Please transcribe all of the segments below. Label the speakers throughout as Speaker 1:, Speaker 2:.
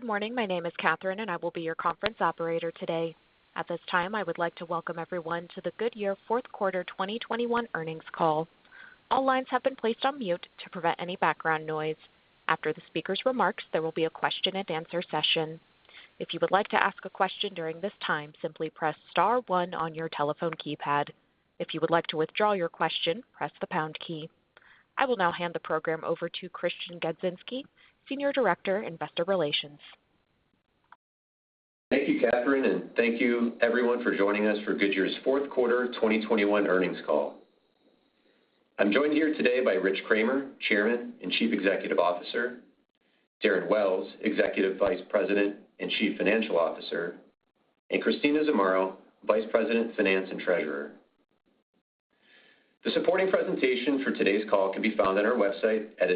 Speaker 1: Good morning. My name is Catherine, and I will be your conference operator today. At this time, I would like to welcome everyone to the Goodyear fourth quarter 2021 earnings call. All lines have been placed on mute to prevent any background noise. After the speaker's remarks, there will be a question-and-answer session. If you would like to ask a question during this time, simply press star one on your telephone keypad. If you would like to withdraw your question, press the pound key. I will now hand the program over to Christian Gadzinski, Senior Director, Investor Relations.
Speaker 2: Thank you, Catherine, and thank you everyone for joining us for Goodyear's fourth quarter 2021 earnings call. I'm joined here today by Rich Kramer, Chairman and Chief Executive Officer, Darren Wells, Executive Vice President and Chief Financial Officer, and Christina Zamarro, Vice President, Finance and Treasurer. The supporting presentation for today's call can be found on our website at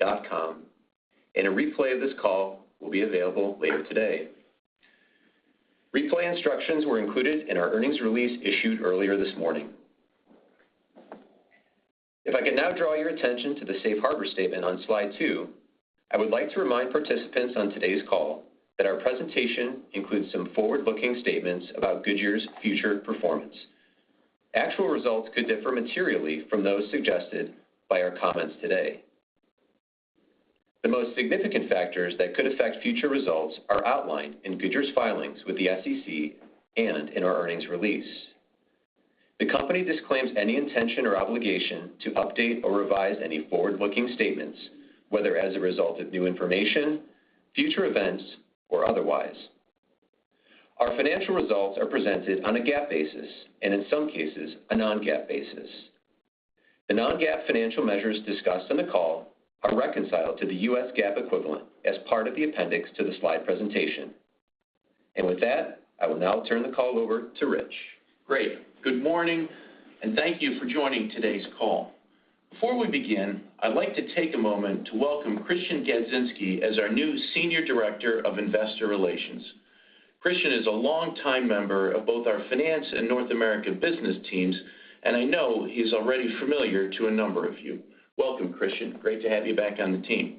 Speaker 2: investor.goodyear.com, and a replay of this call will be available later today. Replay instructions were included in our earnings release issued earlier this morning. If I could now draw your attention to the safe harbor statement on slide 2, I would like to remind participants on today's call that our presentation includes some forward-looking statements about Goodyear's future performance. Actual results could differ materially from those suggested by our comments today. The most significant factors that could affect future results are outlined in Goodyear's filings with the SEC and in our earnings release. The company disclaims any intention or obligation to update or revise any forward-looking statements, whether as a result of new information, future events, or otherwise. Our financial results are presented on a GAAP basis and in some cases a non-GAAP basis. The non-GAAP financial measures discussed on the call are reconciled to the US GAAP equivalent as part of the appendix to the slide presentation. With that, I will now turn the call over to Rich.
Speaker 3: Great. Good morning, and thank you for joining today's call. Before we begin, I'd like to take a moment to welcome Christian Gadzinski as our new Senior Director of Investor Relations. Christian is a long time member of both our finance and North American business teams, and I know he's already familiar to a number of you. Welcome, Christian. Great to have you back on the team.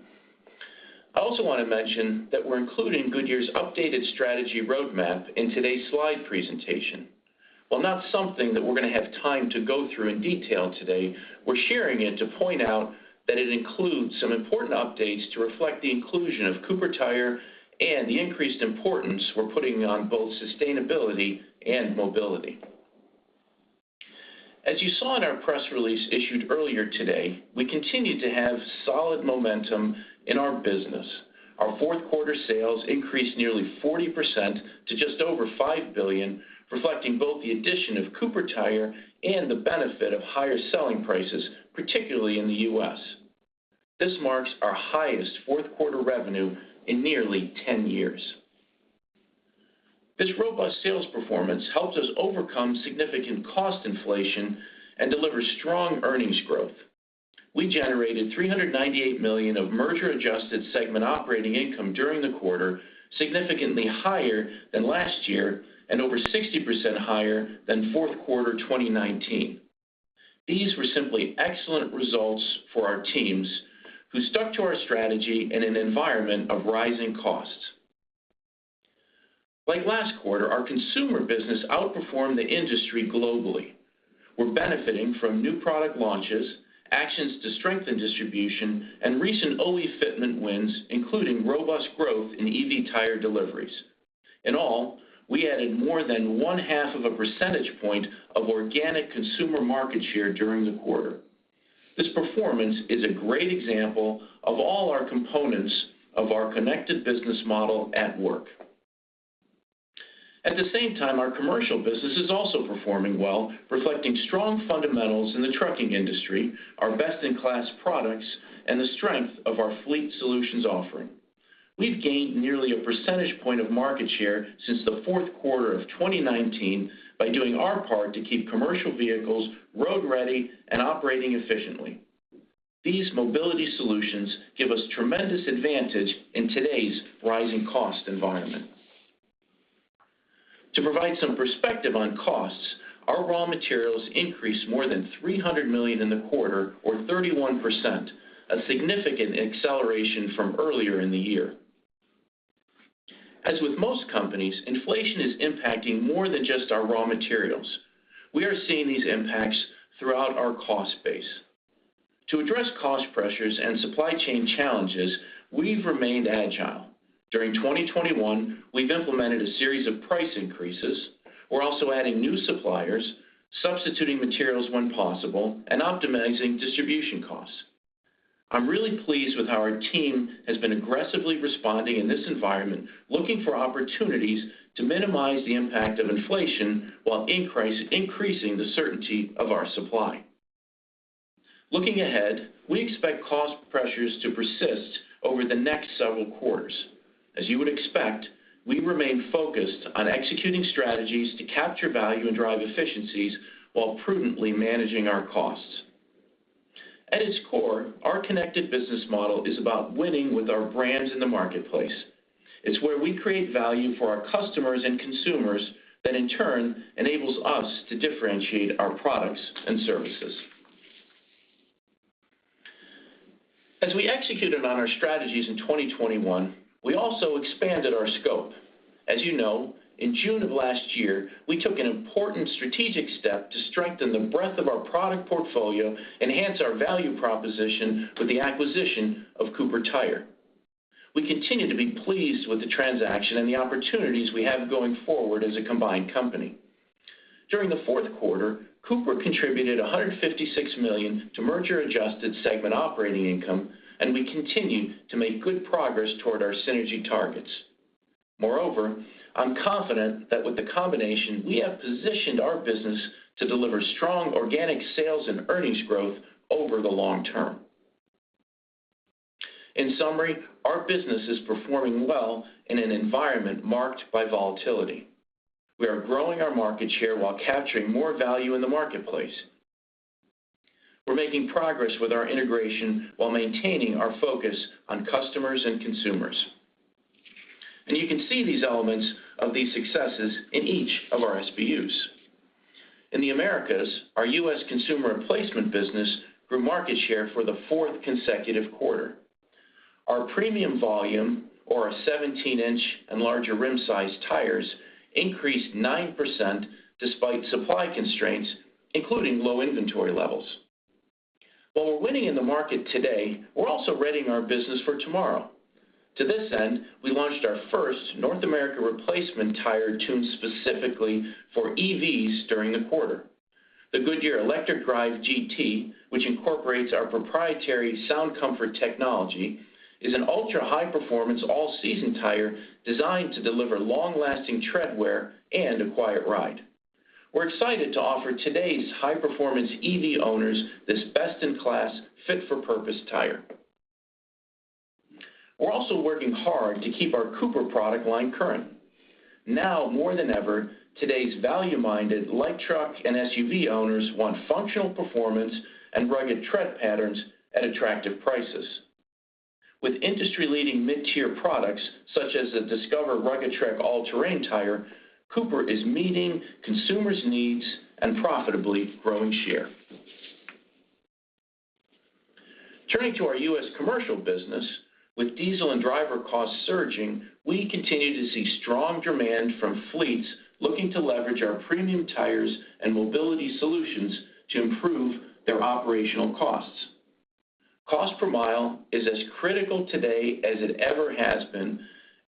Speaker 3: I also want to mention that we're including Goodyear's updated strategy roadmap in today's slide presentation. While not something that we're going to have time to go through in detail today, we're sharing it to point out that it includes some important updates to reflect the inclusion of Cooper Tire and the increased importance we're putting on both sustainability and mobility. As you saw in our press release issued earlier today, we continue to have solid momentum in our business. Our fourth quarter sales increased nearly 40% to just over $5 billion, reflecting both the addition of Cooper Tire and the benefit of higher selling prices, particularly in the U.S. This marks our highest fourth quarter revenue in nearly 10 years. This robust sales performance helps us overcome significant cost inflation and deliver strong earnings growth. We generated $398 million of merger adjusted segment operating income during the quarter, significantly higher than last year and over 60% higher than fourth quarter 2019. These were simply excellent results for our teams who stuck to our strategy in an environment of rising costs. Like last quarter, our consumer business outperformed the industry globally. We're benefiting from new product launches, actions to strengthen distribution and recent OE fitment wins, including robust growth in EV tire deliveries. In all, we added more than 0.5 of a percentage point of organic consumer market share during the quarter. This performance is a great example of all our components of our connected business model at work. At the same time, our commercial business is also performing well, reflecting strong fundamentals in the trucking industry, our best in class products and the strength of our fleet solutions offering. We've gained nearly a percentage point of market share since the fourth quarter of 2019 by doing our part to keep commercial vehicles road ready and operating efficiently. These mobility solutions give us tremendous advantage in today's rising cost environment. To provide some perspective on costs, our raw materials increased more than $300 million in the quarter or 31%, a significant acceleration from earlier in the year. As with most companies, inflation is impacting more than just our raw materials. We are seeing these impacts throughout our cost base. To address cost pressures and supply chain challenges, we've remained agile. During 2021, we've implemented a series of price increases. We're also adding new suppliers, substituting materials when possible, and optimizing distribution costs. I'm really pleased with how our team has been aggressively responding in this environment, looking for opportunities to minimize the impact of inflation while increasing the certainty of our supply. Looking ahead, we expect cost pressures to persist over the next several quarters. As you would expect, we remain focused on executing strategies to capture value and drive efficiencies while prudently managing our costs. At its core, our connected business model is about winning with our brands in the marketplace. It's where we create value for our customers and consumers that in turn enables us to differentiate our products and services. As we executed on our strategies in 2021, we also expanded our scope. As you know, in June of last year, we took an important strategic step to strengthen the breadth of our product portfolio, enhance our value proposition with the acquisition of Cooper Tire. We continue to be pleased with the transaction and the opportunities we have going forward as a combined company. During the fourth quarter, Cooper contributed $156 million to merger adjusted segment operating income, and we continue to make good progress toward our synergy targets. Moreover, I'm confident that with the combination, we have positioned our business to deliver strong organic sales and earnings growth over the long term. In summary, our business is performing well in an environment marked by volatility. We are growing our market share while capturing more value in the marketplace. We're making progress with our integration while maintaining our focus on customers and consumers. You can see these elements of these successes in each of our SBUs. In the Americas, our U.S. consumer replacement business grew market share for the fourth consecutive quarter. Our premium volume or our 17-inch and larger rim size tires increased 9% despite supply constraints, including low inventory levels. While we're winning in the market today, we're also readying our business for tomorrow. To this end, we launched our first North America replacement tire tuned specifically for EVs during the quarter. The Goodyear ElectricDrive GT, which incorporates our proprietary SoundComfort Technology, is an ultra-high performance all-season tire designed to deliver long-lasting tread wear and a quiet ride. We're excited to offer today's high-performance EV owners this best-in-class fit for purpose tire. We're also working hard to keep our Cooper product line current. Now more than ever, today's value-minded light truck and SUV owners want functional performance and rugged tread patterns at attractive prices. With industry-leading mid-tier products, such as the Discoverer Rugged Trek all-terrain tire, Cooper is meeting consumers' needs and profitably growing share. Turning to our U.S. commercial business, with diesel and driver costs surging, we continue to see strong demand from fleets looking to leverage our premium tires and mobility solutions to improve their operational costs. Cost per mile is as critical today as it ever has been,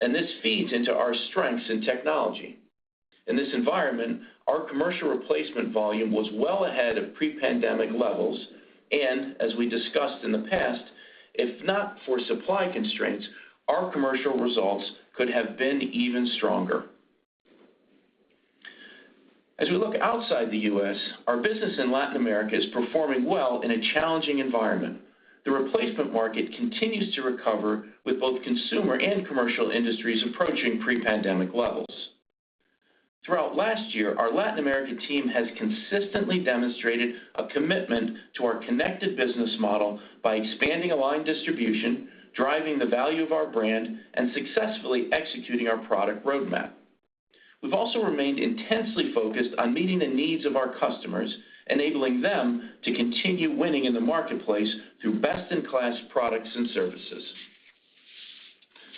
Speaker 3: and this feeds into our strengths in technology. In this environment, our commercial replacement volume was well ahead of pre-pandemic levels, and as we discussed in the past, if not for supply constraints, our commercial results could have been even stronger. As we look outside the U.S., our business in Latin America is performing well in a challenging environment. The replacement market continues to recover with both consumer and commercial industries approaching pre-pandemic levels. Throughout last year, our Latin America team has consistently demonstrated a commitment to our connected business model by expanding aligned distribution, driving the value of our brand, and successfully executing our product roadmap. We've also remained intensely focused on meeting the needs of our customers, enabling them to continue winning in the marketplace through best-in-class products and services.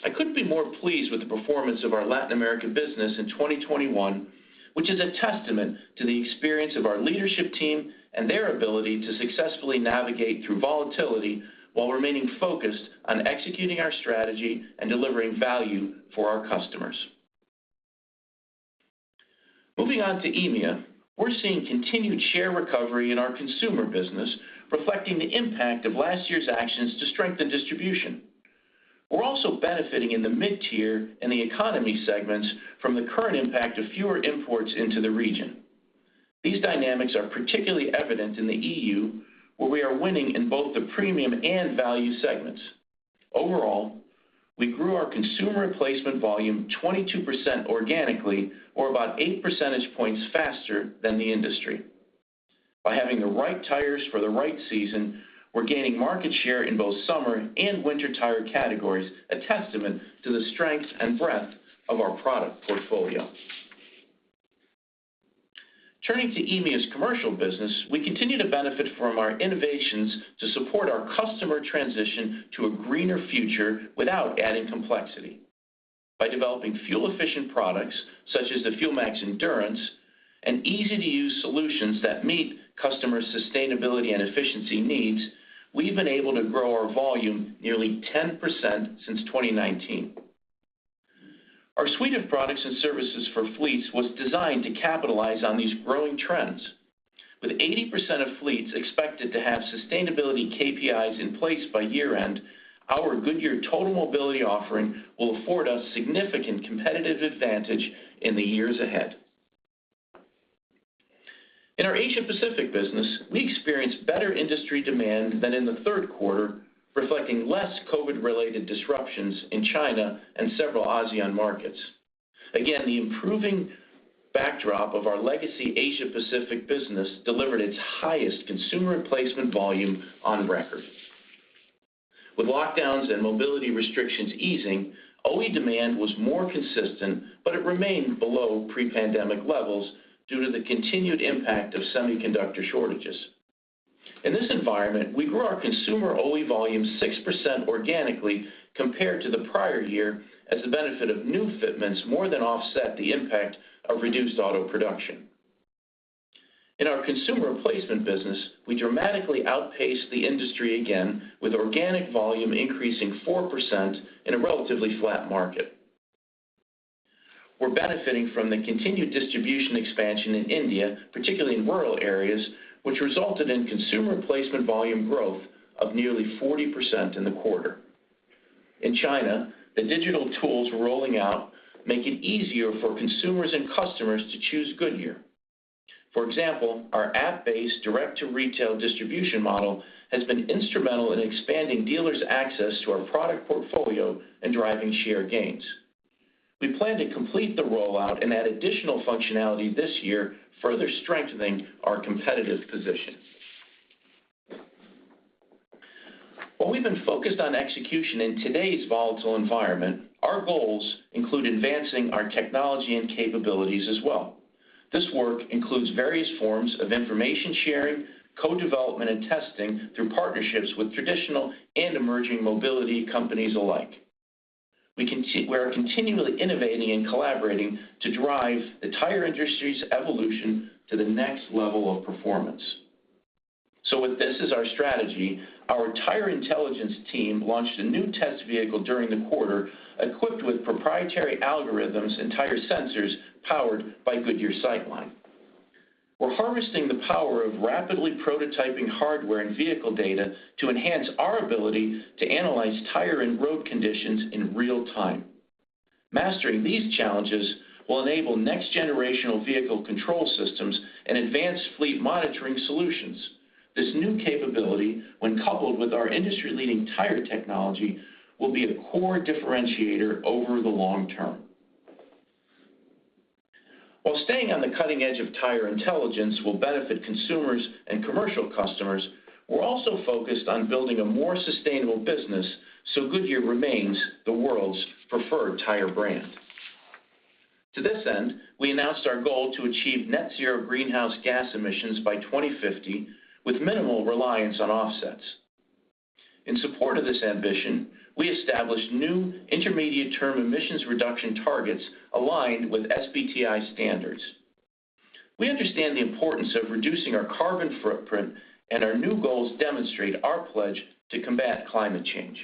Speaker 3: I couldn't be more pleased with the performance of our Latin America business in 2021, which is a testament to the experience of our leadership team and their ability to successfully navigate through volatility while remaining focused on executing our strategy and delivering value for our customers. Moving on to EMEA, we're seeing continued share recovery in our consumer business, reflecting the impact of last year's actions to strengthen distribution. We're also benefiting in the mid-tier and the economy segments from the current impact of fewer imports into the region. These dynamics are particularly evident in the EU, where we are winning in both the premium and value segments. Overall, we grew our consumer replacement volume 22% organically, or about 8 percentage points faster than the industry. By having the right tires for the right season, we're gaining market share in both summer and winter tire categories, a testament to the strength and breadth of our product portfolio. Turning to EMEA's commercial business, we continue to benefit from our innovations to support our customer transition to a greener future without adding complexity. By developing fuel-efficient products, such as the Fuelmax Endurance, and easy-to-use solutions that meet customers' sustainability and efficiency needs, we've been able to grow our volume nearly 10% since 2019. Our suite of products and services for fleets was designed to capitalize on these growing trends. With 80% of fleets expected to have sustainability KPIs in place by year-end, our Goodyear Total Mobility offering will afford us significant competitive advantage in the years ahead. In our Asia-Pacific business, we experienced better industry demand than in the third quarter, reflecting less COVID-related disruptions in China and several ASEAN markets. Again, the improving backdrop of our legacy Asia Pacific business delivered its highest consumer replacement volume on record. With lockdowns and mobility restrictions easing, OE demand was more consistent, but it remained below pre-pandemic levels due to the continued impact of semiconductor shortages. In this environment, we grew our consumer OE volume 6% organically compared to the prior year as the benefit of new fitments more than offset the impact of reduced auto production. In our consumer replacement business, we dramatically outpaced the industry again, with organic volume increasing 4% in a relatively flat market. We're benefiting from the continued distribution expansion in India, particularly in rural areas, which resulted in consumer replacement volume growth of nearly 40% in the quarter. In China, the digital tools we're rolling out make it easier for consumers and customers to choose Goodyear. For example, our app-based direct-to-retail distribution model has been instrumental in expanding dealers' access to our product portfolio and driving share gains. We plan to complete the rollout and add additional functionality this year, further strengthening our competitive position. While we've been focused on execution in today's volatile environment, our goals include advancing our technology and capabilities as well. This work includes various forms of information sharing, co-development, and testing through partnerships with traditional and emerging mobility companies alike. We are continually innovating and collaborating to drive the tire industry's evolution to the next level of performance. With this as our strategy, our tire intelligence team launched a new test vehicle during the quarter equipped with proprietary algorithms and tire sensors powered by Goodyear SightLine. We're harvesting the power of rapidly prototyping hardware and vehicle data to enhance our ability to analyze tire and road conditions in real time. Mastering these challenges will enable next-generational vehicle control systems and advanced fleet monitoring solutions. This new capability, when coupled with our industry-leading tire technology, will be a core differentiator over the long term. While staying on the cutting edge of tire intelligence will benefit consumers and commercial customers, we're also focused on building a more sustainable business so Goodyear remains the world's preferred tire brand. To this end, we announced our goal to achieve net zero greenhouse gas emissions by 2050, with minimal reliance on offsets. In support of this ambition, we established new intermediate-term emissions reduction targets aligned with SBTi standards. We understand the importance of reducing our carbon footprint, and our new goals demonstrate our pledge to combat climate change.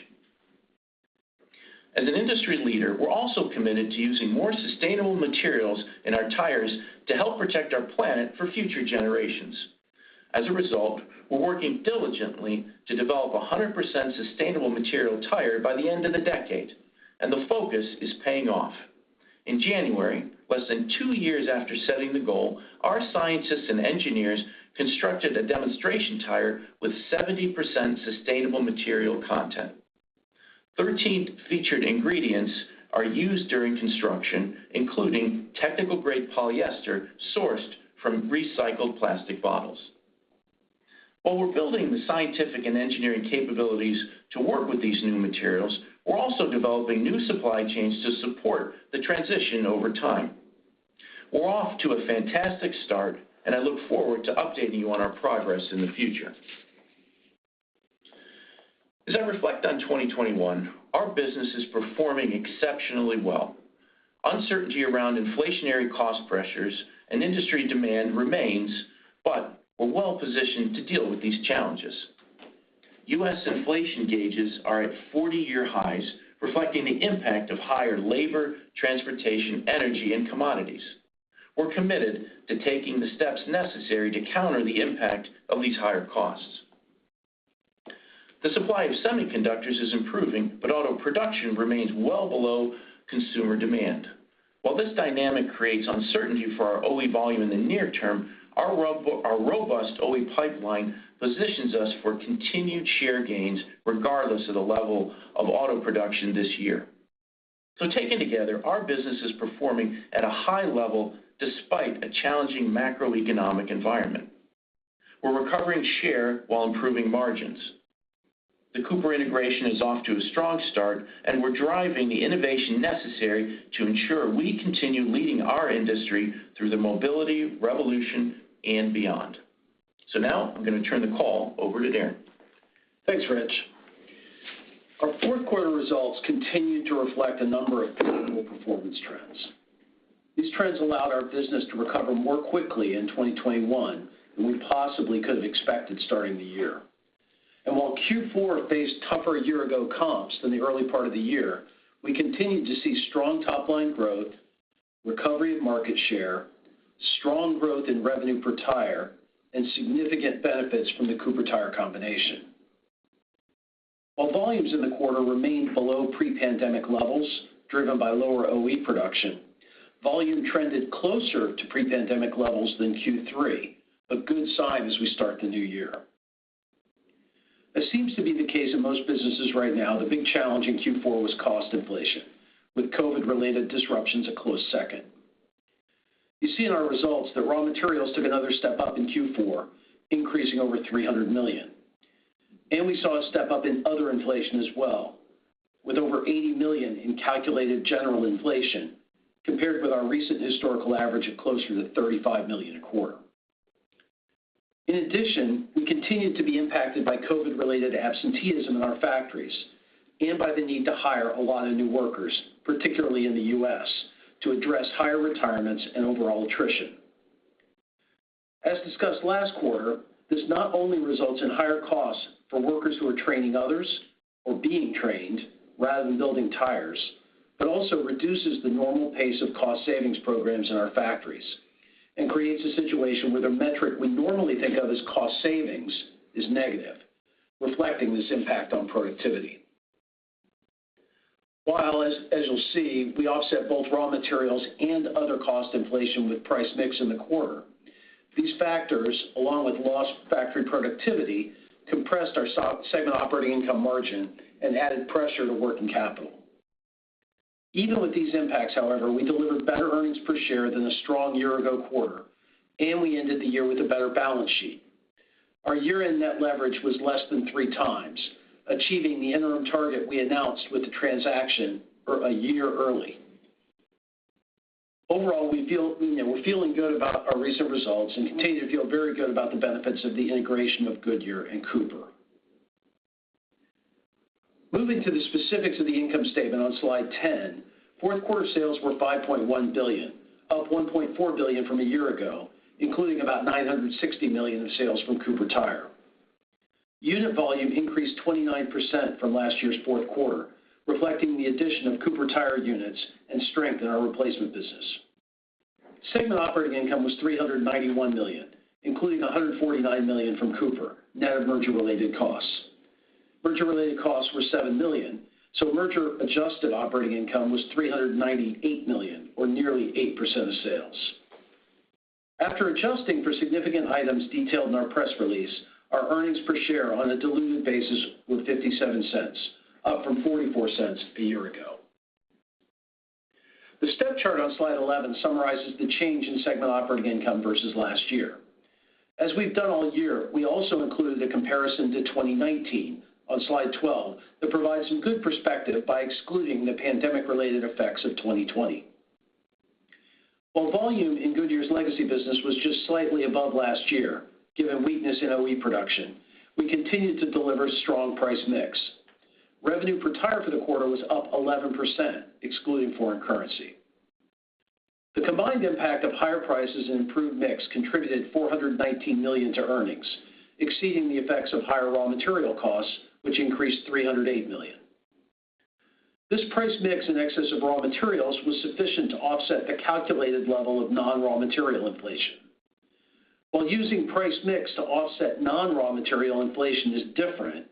Speaker 3: As an industry leader, we're also committed to using more sustainable materials in our tires to help protect our planet for future generations. As a result, we're working diligently to develop a 100% sustainable material tire by the end of the decade, and the focus is paying off. In January, less than 2 years after setting the goal, our scientists and engineers constructed a demonstration tire with 70% sustainable material content. 13 featured ingredients are used during construction, including technical-grade polyester sourced from recycled plastic bottles. While we're building the scientific and engineering capabilities to work with these new materials, we're also developing new supply chains to support the transition over time. We're off to a fantastic start, and I look forward to updating you on our progress in the future. As I reflect on 2021, our business is performing exceptionally well. Uncertainty around inflationary cost pressures and industry demand remains, but we're well-positioned to deal with these challenges. U.S. inflation gauges are at 40-year highs, reflecting the impact of higher labor, transportation, energy, and commodities. We're committed to taking the steps necessary to counter the impact of these higher costs. The supply of semiconductors is improving, but auto production remains well below consumer demand. While this dynamic creates uncertainty for our OE volume in the near term, our robust OE pipeline positions us for continued share gains regardless of the level of auto production this year. Taken together, our business is performing at a high level despite a challenging macroeconomic environment. We're recovering share while improving margins. The Cooper integration is off to a strong start, and we're driving the innovation necessary to ensure we continue leading our industry through the mobility revolution and beyond. Now I'm gonna turn the call over to Darren.
Speaker 4: Thanks, Rich. Our fourth quarter results continued to reflect a number of favorable performance trends. These trends allowed our business to recover more quickly in 2021 than we possibly could have expected starting the year. While Q4 faced tougher year-ago comps than the early part of the year, we continued to see strong top-line growth, recovery of market share, strong growth in revenue per tire, and significant benefits from the Cooper Tire combination. While volumes in the quarter remained below pre-pandemic levels, driven by lower OE production, volume trended closer to pre-pandemic levels than Q3, a good sign as we start the new year. It seems to be the case in most businesses right now, the big challenge in Q4 was cost inflation, with COVID-related disruptions a close second. You see in our results that raw materials took another step up in Q4, increasing over $300 million. We saw a step up in other inflation as well, with over $80 million in calculated general inflation compared with our recent historical average of closer to $35 million a quarter. In addition, we continued to be impacted by COVID-related absenteeism in our factories and by the need to hire a lot of new workers, particularly in the U.S., to address higher retirements and overall attrition. As discussed last quarter, this not only results in higher costs for workers who are training others or being trained rather than building tires, but also reduces the normal pace of cost savings programs in our factories and creates a situation where the metric we normally think of as cost savings is negative, reflecting this impact on productivity. As you'll see, we offset both raw materials and other cost inflation with price mix in the quarter. These factors, along with lost factory productivity, compressed our segment operating income margin and added pressure to working capital. Even with these impacts, however, we delivered better earnings per share than the strong year ago quarter, and we ended the year with a better balance sheet. Our year-end net leverage was less than three times, achieving the interim target we announced with the transaction or a year early. Overall, we feel, you know, we're feeling good about our recent results and continue to feel very good about the benefits of the integration of Goodyear and Cooper. Moving to the specifics of the income statement on slide 10, fourth quarter sales were $5.1 billion, up $1.4 billion from a year ago, including about $960 million of sales from Cooper Tire. Unit volume increased 29% from last year's fourth quarter, reflecting the addition of Cooper Tire units and strength in our replacement business. Segment operating income was $391 million, including $149 million from Cooper, net of merger related costs. Merger related costs were $7 million, so merger adjusted operating income was $398 million, or nearly 8% of sales. After adjusting for significant items detailed in our press release, our earnings per share on a diluted basis were $0.57, up from $0.44 a year ago. The step chart on slide 11 summarizes the change in segment operating income versus last year. As we've done all year, we also included a comparison to 2019 on slide 12 that provides some good perspective by excluding the pandemic related effects of 2020. While volume in Goodyear's legacy business was just slightly above last year, given weakness in OE production, we continued to deliver strong price mix. Revenue per tire for the quarter was up 11%, excluding foreign currency. The combined impact of higher prices and improved mix contributed $419 million to earnings, exceeding the effects of higher raw material costs, which increased $308 million. This price mix in excess of raw materials was sufficient to offset the calculated level of non-raw material inflation. While using price mix to offset non-raw material inflation is different,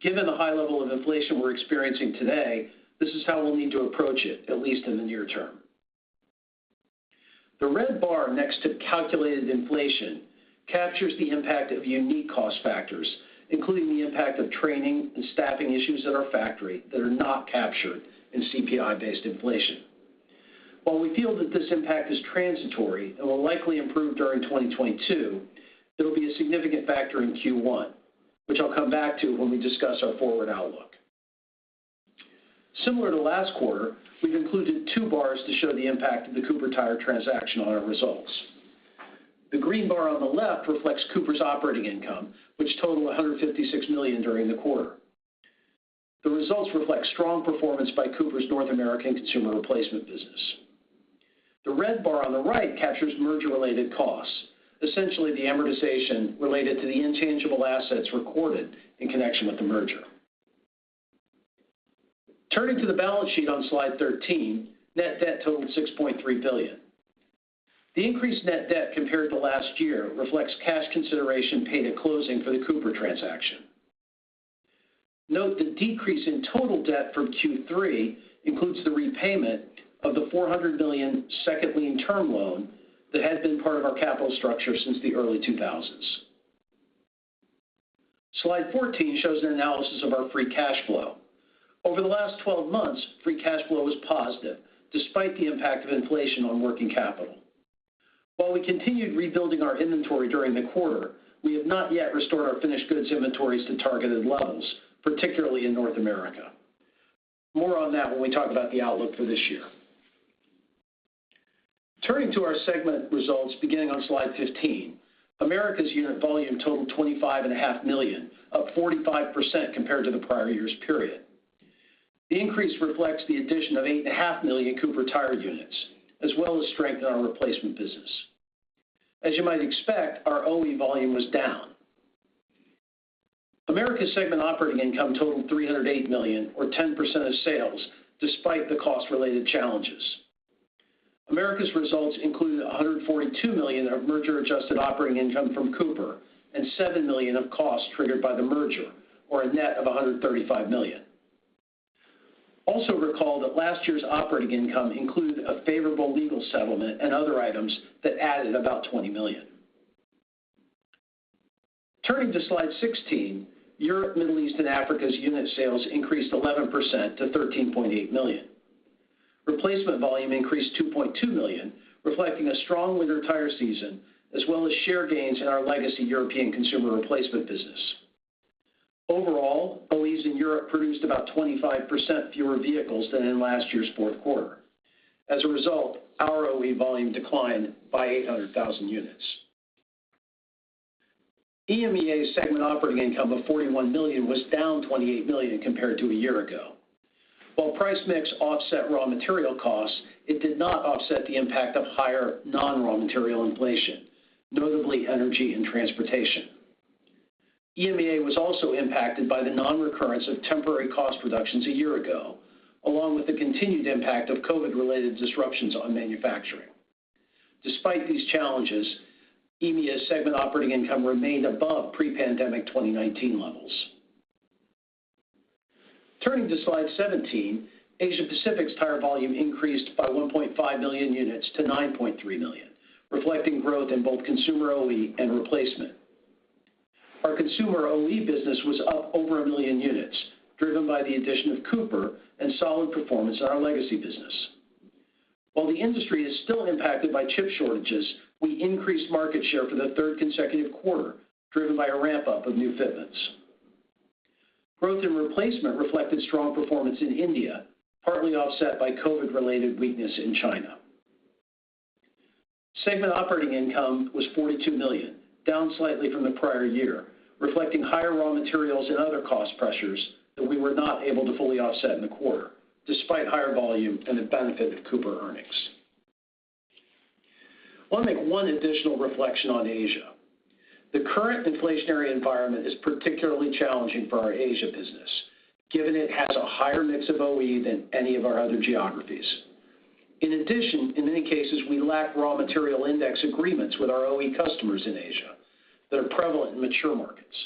Speaker 4: given the high level of inflation we're experiencing today, this is how we'll need to approach it, at least in the near term. The red bar next to calculated inflation captures the impact of unique cost factors, including the impact of training and staffing issues at our factory that are not captured in CPI-based inflation. While we feel that this impact is transitory and will likely improve during 2022, it'll be a significant factor in Q1, which I'll come back to when we discuss our forward outlook. Similar to last quarter, we've included two bars to show the impact of the Cooper Tire transaction on our results. The green bar on the left reflects Cooper's operating income, which totaled $156 million during the quarter. The results reflect strong performance by Cooper's North American Consumer Replacement business. The red bar on the right captures merger-related costs, essentially the amortization related to the intangible assets recorded in connection with the merger. Turning to the balance sheet on slide 13, net debt totaled $6.3 billion. The increased net debt compared to last year reflects cash consideration paid at closing for the Cooper transaction. Note the decrease in total debt from Q3 includes the repayment of the $400 million second lien term loan that had been part of our capital structure since the early 2000s. Slide 14 shows an analysis of our free cash flow. Over the last 12 months, free cash flow was positive despite the impact of inflation on working capital. While we continued rebuilding our inventory during the quarter, we have not yet restored our finished goods inventories to targeted levels, particularly in North America. More on that when we talk about the outlook for this year. Turning to our segment results beginning on slide 15, Americas unit volume totaled 25.5 million, up 45% compared to the prior year's period. The increase reflects the addition of 8.5 million Cooper Tire units, as well as strength in our replacement business. As you might expect, our OE volume was down. Americas segment operating income totaled $308 million or 10% of sales despite the cost-related challenges. Americas results included $142 million of merger adjusted operating income from Cooper and $7 million of costs triggered by the merger, or a net of $135 million. Also recall that last year's operating income included a favorable legal settlement and other items that added about $20 million. Turning to Slide 16, Europe, Middle East, and Africa's unit sales increased 11% to 13.8 million. Replacement volume increased 2.2 million, reflecting a strong winter tire season as well as share gains in our legacy European consumer replacement business. Overall, OEs in Europe produced about 25% fewer vehicles than in last year's fourth quarter. As a result, our OE volume declined by 800,000 units. EMEA's segment operating income of $41 million was down $28 million compared to a year ago. While price mix offset raw material costs, it did not offset the impact of higher non-raw material inflation, notably energy and transportation. EMEA was also impacted by the non-recurrence of temporary cost reductions a year ago, along with the continued impact of COVID-related disruptions on manufacturing. Despite these challenges, EMEA's segment operating income remained above pre-pandemic 2019 levels. Turning to Slide 17, Asia Pacific's tire volume increased by 1.5 million units to 9.3 million, reflecting growth in both consumer OE and replacement. Our consumer OE business was up over 1 million units, driven by the addition of Cooper and solid performance in our legacy business. While the industry is still impacted by chip shortages, we increased market share for the third consecutive quarter, driven by a ramp-up of new fitments. Growth in replacement reflected strong performance in India, partly offset by COVID-related weakness in China. Segment operating income was $42 million, down slightly from the prior year, reflecting higher raw materials and other cost pressures that we were not able to fully offset in the quarter, despite higher volume and the benefit of Cooper earnings. I want to make one additional reflection on Asia. The current inflationary environment is particularly challenging for our Asia business, given it has a higher mix of OE than any of our other geographies. In addition, in many cases, we lack raw material index agreements with our OE customers in Asia that are prevalent in mature markets.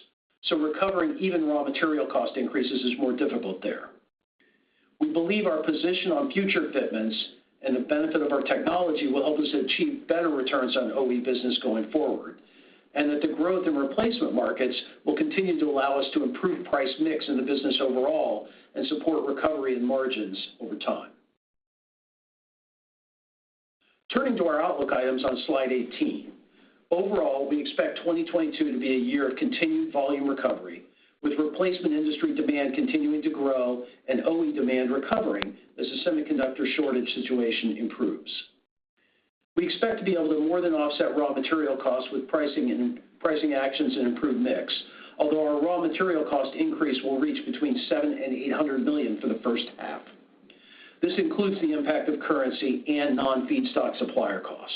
Speaker 4: Recovering even raw material cost increases is more difficult there. We believe our position on future fitments and the benefit of our technology will help us achieve better returns on OE business going forward, and that the growth in replacement markets will continue to allow us to improve price mix in the business overall and support recovery in margins over time. Turning to our outlook items on Slide 18. Overall, we expect 2022 to be a year of continued volume recovery, with replacement industry demand continuing to grow and OE demand recovering as the semiconductor shortage situation improves. We expect to be able to more than offset raw material costs with pricing actions and improved mix. Although our raw material cost increase will reach between $700 million and $800 million for the first half. This includes the impact of currency and non-feedstock supplier costs.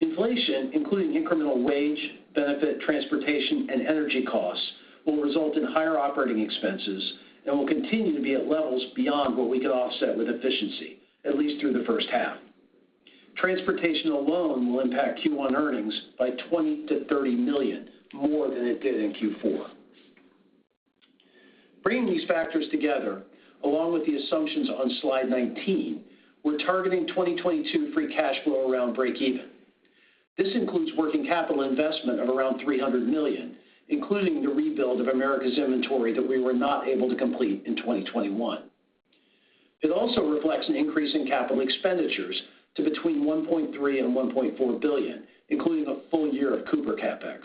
Speaker 4: Inflation, including incremental wage, benefit, transportation, and energy costs, will result in higher operating expenses and will continue to be at levels beyond what we could offset with efficiency, at least through the first half. Transportation alone will impact Q1 earnings by $20 million-$30 million more than it did in Q4. Bringing these factors together, along with the assumptions on Slide 19, we're targeting 2022 free cash flow around breakeven. This includes working capital investment of around $300 million, including the rebuild of America's inventory that we were not able to complete in 2021. It also reflects an increase in capital expenditures to between $1.3 billion-$1.4 billion, including a full year of Cooper CapEx.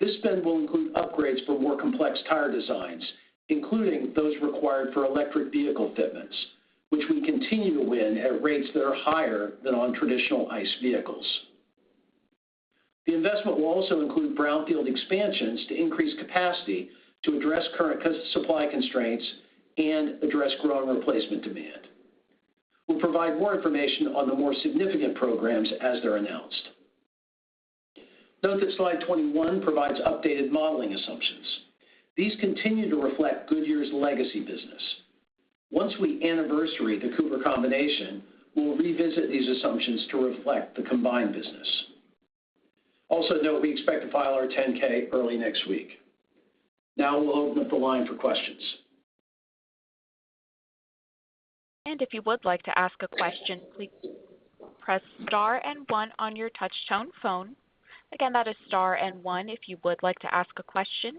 Speaker 4: This spend will include upgrades for more complex tire designs, including those required for electric vehicle fitments, which we continue to win at rates that are higher than on traditional ICE vehicles. The investment will also include brownfield expansions to increase capacity to address current supply constraints and address growing replacement demand. We'll provide more information on the more significant programs as they're announced. Note that Slide 21 provides updated modeling assumptions. These continue to reflect Goodyear's legacy business. Once we anniversary the Cooper combination, we'll revisit these assumptions to reflect the combined business. Also note we expect to file our 10-K early next week. Now we'll open up the line for questions.
Speaker 1: If you would like to ask a question, please press star and one on your touch-tone phone. Again, that is star and one if you would like to ask a question.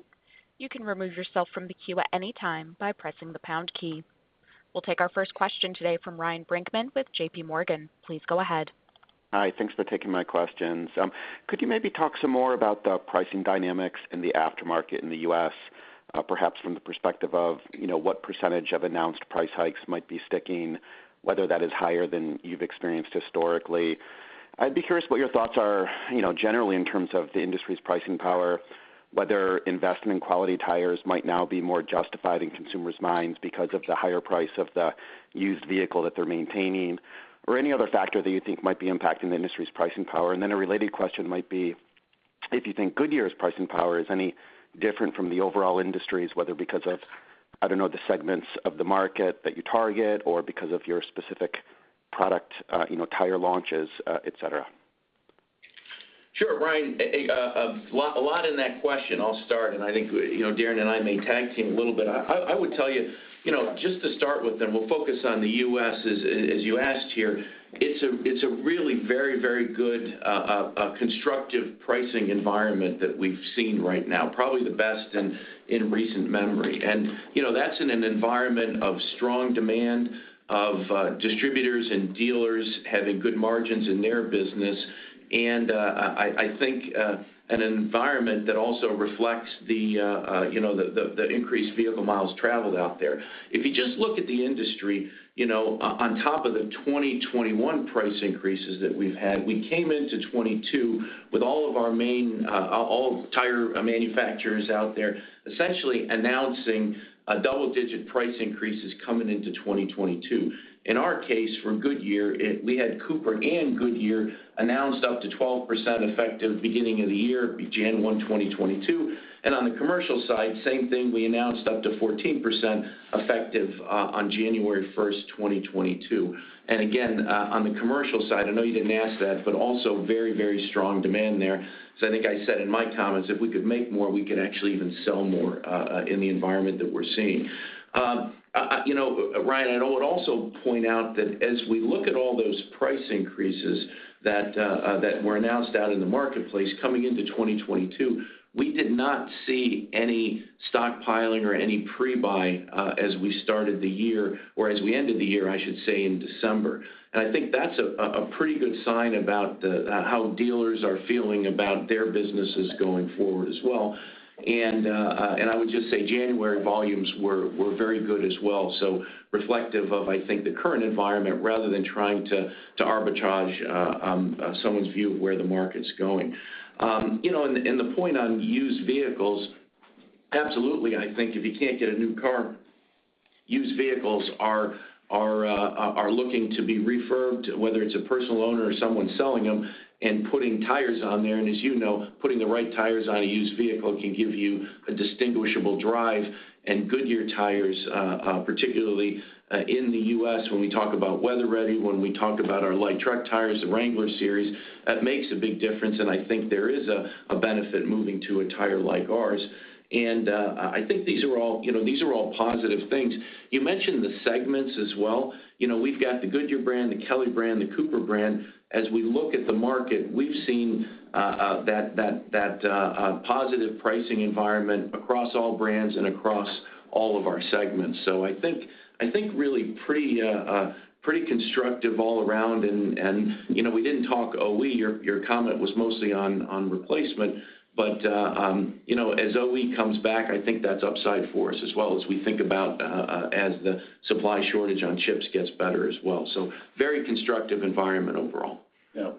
Speaker 1: You can remove yourself from the queue at any time by pressing the pound key. We'll take our first question today from Ryan Brinkman with J.P. Morgan. Please go ahead.
Speaker 5: Hi. Thanks for taking my questions. Could you maybe talk some more about the pricing dynamics in the aftermarket in the U.S., perhaps from the perspective of, you know, what percentage of announced price hikes might be sticking, whether that is higher than you've experienced historically? I'd be curious what your thoughts are, you know, generally in terms of the industry's pricing power, whether investment quality tires might now be more justified in consumers' minds because of the higher price of the used vehicle that they're maintaining, or any other factor that you think might be impacting the industry's pricing power. A related question might be if you think Goodyear's pricing power is any different from the overall industry's, whether because of, I don't know, the segments of the market that you target or because of your specific product, you know, tire launches, et cetera?
Speaker 3: Sure, Ryan, a lot in that question. I'll start, and I think, you know, Darren and I may tag team a little bit. I would tell you know, just to start with, and we'll focus on the U.S. as you asked here. It's a really very good constructive pricing environment that we've seen right now, probably the best in recent memory. You know, that's in an environment of strong demand of distributors and dealers having good margins in their business. I think an environment that also reflects the, you know, the increased vehicle miles traveled out there. If you just look at the industry, you know, on top of the 2021 price increases that we've had, we came into 2022 with all of our main tire manufacturers out there essentially announcing double-digit price increases coming into 2022. In our case, for Goodyear, we had Cooper and Goodyear announced up to 12% effective beginning of the year, January 1, 2022. On the commercial side, same thing, we announced up to 14% effective on January 1, 2022. Again, on the commercial side, I know you didn't ask that, but also very, very strong demand there 'cause I think I said in my comments, if we could make more, we could actually even sell more in the environment that we're seeing. You know, Ryan, I would also point out that as we look at all those price increases that were announced out in the marketplace coming into 2022, we did not see any stockpiling or any pre-buy as we started the year or as we ended the year, I should say, in December. I think that's a pretty good sign about the how dealers are feeling about their businesses going forward as well. I would just say January volumes were very good as well, so reflective of, I think, the current environment rather than trying to arbitrage someone's view of where the market's going. You know, the point on used vehicles, absolutely, I think if you can't get a new car, used vehicles are looking to be refurbed, whether it's a personal owner or someone selling them and putting tires on there. As you know, putting the right tires on a used vehicle can give you a distinguishable drive. Goodyear tires, particularly, in the U.S., when we talk about weather-ready, when we talk about our light truck tires, the Wrangler series, that makes a big difference, and I think there is a benefit moving to a tire like ours. I think these are all, you know, these are all positive things. You mentioned the segments as well. You know, we've got the Goodyear brand, the Kelly brand, the Cooper brand. As we look at the market, we've seen that positive pricing environment across all brands and across all of our segments. I think really pretty constructive all around. You know, we didn't talk OE. Your comment was mostly on replacement. You know, as OE comes back, I think that's upside for us as well, as we think about, as the supply shortage on chips gets better as well. Very constructive environment overall.
Speaker 4: Yeah.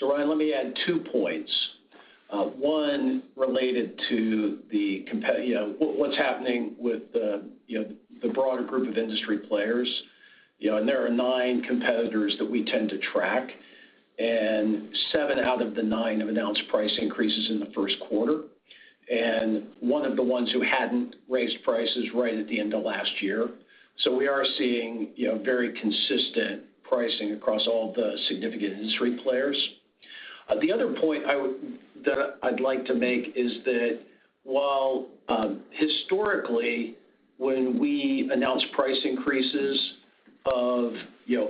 Speaker 4: Ryan, let me add 2 points. One related to the you know, what's happening with the you know, the broader group of industry players. You know, there are 9 competitors that we tend to track, and 7 out of the 9 have announced price increases in the first quarter. One of the ones who hadn't raised prices right at the end of last year. We are seeing, you know, very consistent pricing across all the significant industry players. The other point that I'd like to make is that while historically, when we announce price increases of you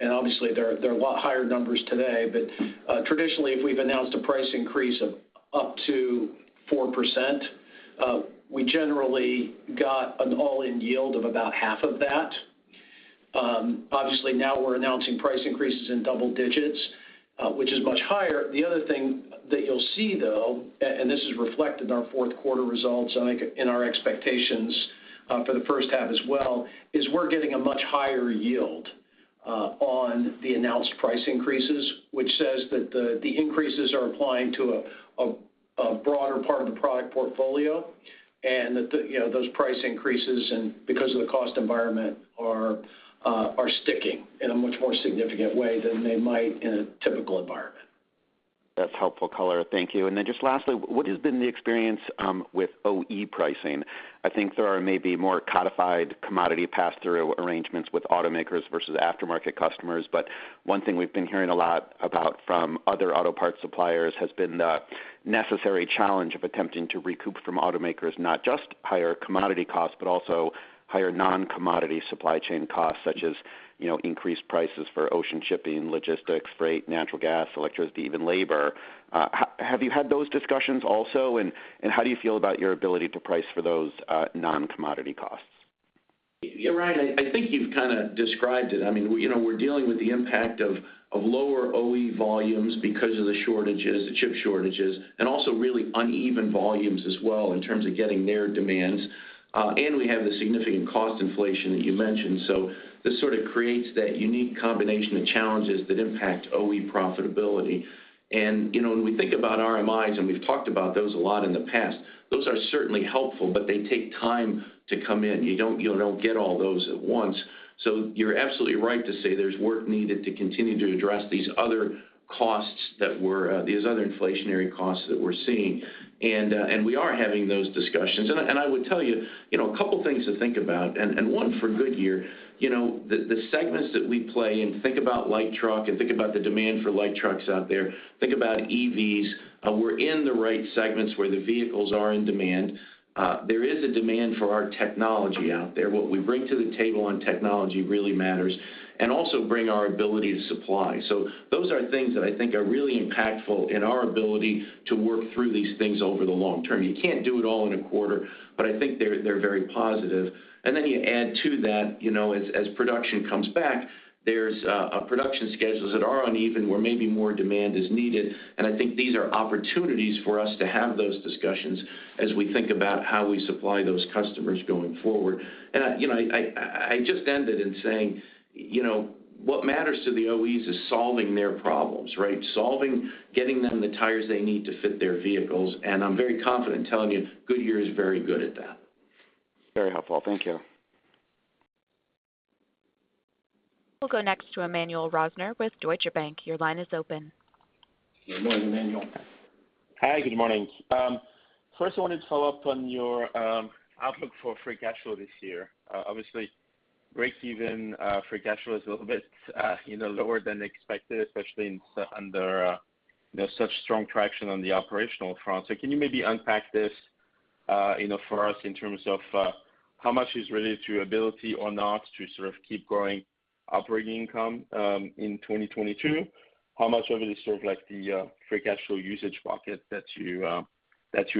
Speaker 4: know, and obviously they're a lot higher numbers today, but traditionally, if we've announced a price increase of up to 4%, we generally got an all-in yield of about half of that. Obviously now we're announcing price increases in double digits, which is much higher. The other thing that you'll see though, and this is reflected in our fourth quarter results and I think in our expectations for the first half as well, is we're getting a much higher yield on the announced price increases, which says that the increases are applying to a broader part of the product portfolio and that, you know, those price increases and because of the cost environment are sticking in a much more significant way than they might in a typical environment.
Speaker 5: That's helpful color. Thank you. Then just lastly, what has been the experience with OE pricing? I think there are maybe more codified commodity pass-through arrangements with automakers versus aftermarket customers, but one thing we've been hearing a lot about from other auto part suppliers has been the necessary challenge of attempting to recoup from automakers, not just higher commodity costs, but also higher non-commodity supply chain costs, such as, you know, increased prices for ocean shipping, logistics, freight, natural gas, electricity, even labor. Have you had those discussions also, and how do you feel about your ability to price for those non-commodity costs?
Speaker 3: Yeah, Ryan, I think you've kind of described it. I mean, you know, we're dealing with the impact of lower OE volumes because of the shortages, the chip shortages, and also really uneven volumes as well in terms of meeting their demands. We have the significant cost inflation that you mentioned. This sort of creates that unique combination of challenges that impact OE profitability. You know, when we think about RMIs, and we've talked about those a lot in the past, those are certainly helpful, but they take time. To come in. You don't get all those at once. You're absolutely right to say there's work needed to continue to address these other inflationary costs that we're seeing. We are having those discussions. I would tell you know, a couple things to think about, and one for Goodyear, you know, the segments that we play in, think about light truck and think about the demand for light trucks out there. Think about EVs. We're in the right segments where the vehicles are in demand. There is a demand for our technology out there. What we bring to the table on technology really matters. Also bring our ability to supply. Those are things that I think are really impactful in our ability to work through these things over the long term. You can't do it all in a quarter, but I think they're very positive. You add to that, you know, as production comes back, there's production schedules that are uneven where maybe more demand is needed. I think these are opportunities for us to have those discussions as we think about how we supply those customers going forward. I, you know, just end by saying, you know, what matters to the OEs is solving their problems, right? Getting them the tires they need to fit their vehicles. I'm very confident in telling you, Goodyear is very good at that.
Speaker 5: Very helpful. Thank you.
Speaker 1: We'll go next to Emmanuel Rosner with Deutsche Bank. Your line is open.
Speaker 4: Good morning, Emmanuel.
Speaker 6: Hi. Good morning. First, I wanted to follow up on your outlook for free cash flow this year. Obviously, breakeven free cash flow is a little bit, you know, lower than expected, especially under, you know, such strong traction on the operational front. Can you maybe unpack this, you know, for us in terms of how much is related to ability or not to sort of keep growing operating income in 2022? How much of it is sort of like the free cash flow usage bucket that you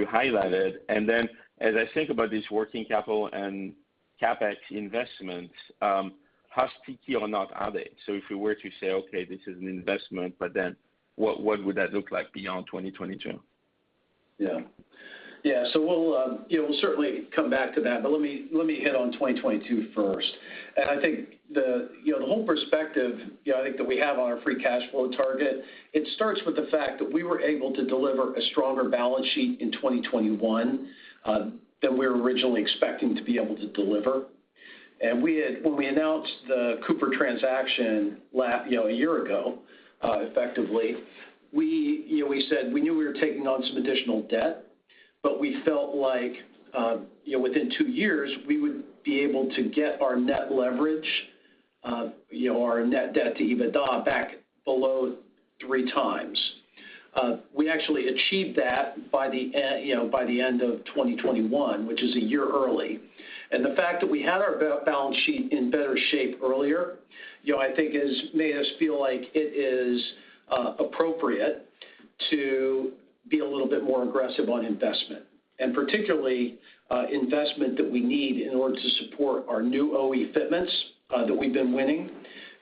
Speaker 6: highlighted? And then as I think about this working capital and CapEx investments, how sticky or not are they? If you were to say, "Okay, this is an investment," but then what would that look like beyond 2022?
Speaker 4: Yeah. We'll certainly come back to that, but let me hit on 2022 first. I think the whole perspective we have on our free cash flow target starts with the fact that we were able to deliver a stronger balance sheet in 2021 than we were originally expecting to be able to deliver. When we announced the Cooper transaction a year ago, effectively, we said we knew we were taking on some additional debt, but we felt like within two years, we would be able to get our net leverage, our net debt to EBITDA back below three times. We actually achieved that by the end, you know, by the end of 2021, which is a year early. The fact that we had our balance sheet in better shape earlier, you know, I think has made us feel like it is appropriate to be a little bit more aggressive on investment, and particularly investment that we need in order to support our new OE fitments that we've been winning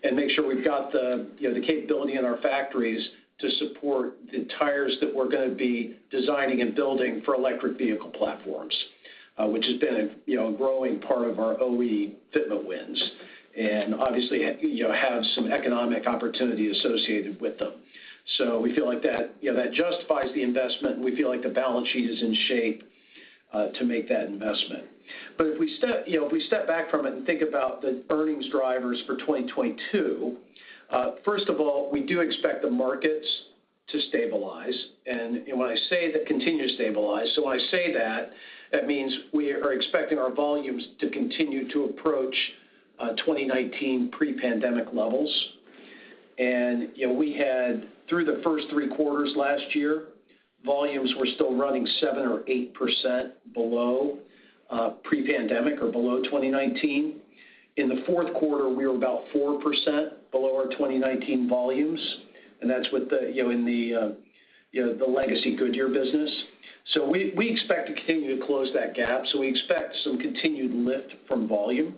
Speaker 4: and make sure we've got the, you know, the capability in our factories to support the tires that we're gonna be designing and building for electric vehicle platforms, which has been a, you know, a growing part of our OE fitment wins and obviously have some economic opportunity associated with them. We feel like that, you know, that justifies the investment, and we feel like the balance sheet is in shape to make that investment. If we step back from it and think about the earnings drivers for 2022, first of all, we do expect the markets to stabilize. When I say that means we are expecting our volumes to continue to approach 2019 pre-pandemic levels. You know, we had through the first 3 quarters last year, volumes were still running 7% or 8% below pre-pandemic or below 2019. In the fourth quarter, we were about 4% below our 2019 volumes, and that's with the legacy Good-year-business. We expect to continue to close that gap. We expect some continued lift from volume.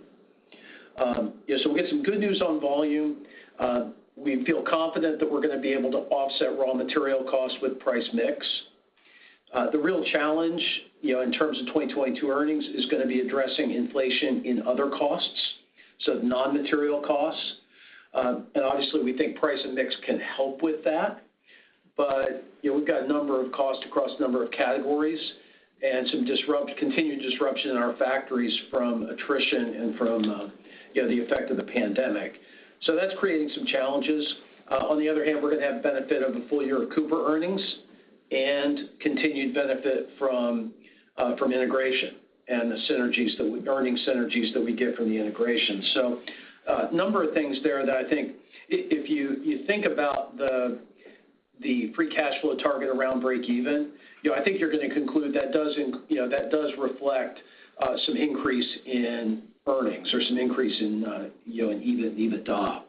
Speaker 4: We got some good news on volume. We feel confident that we're gonna be able to offset raw material costs with price mix. The real challenge, you know, in terms of 2022 earnings is gonna be addressing inflation in other costs, so non-material costs. Obviously, we think price and mix can help with that. You know, we've got a number of costs across a number of categories and some continued disruption in our factories from attrition and from, you know, the effect of the pandemic. That's creating some challenges. On the other hand, we're gonna have benefit of a full year of Cooper earnings and continued benefit from integration and the earnings synergies that we get from the integration. A number of things there that I think if you think about the free cash flow target around break even, you know, I think you're gonna conclude that does reflect some increase in earnings or some increase in EBITDA.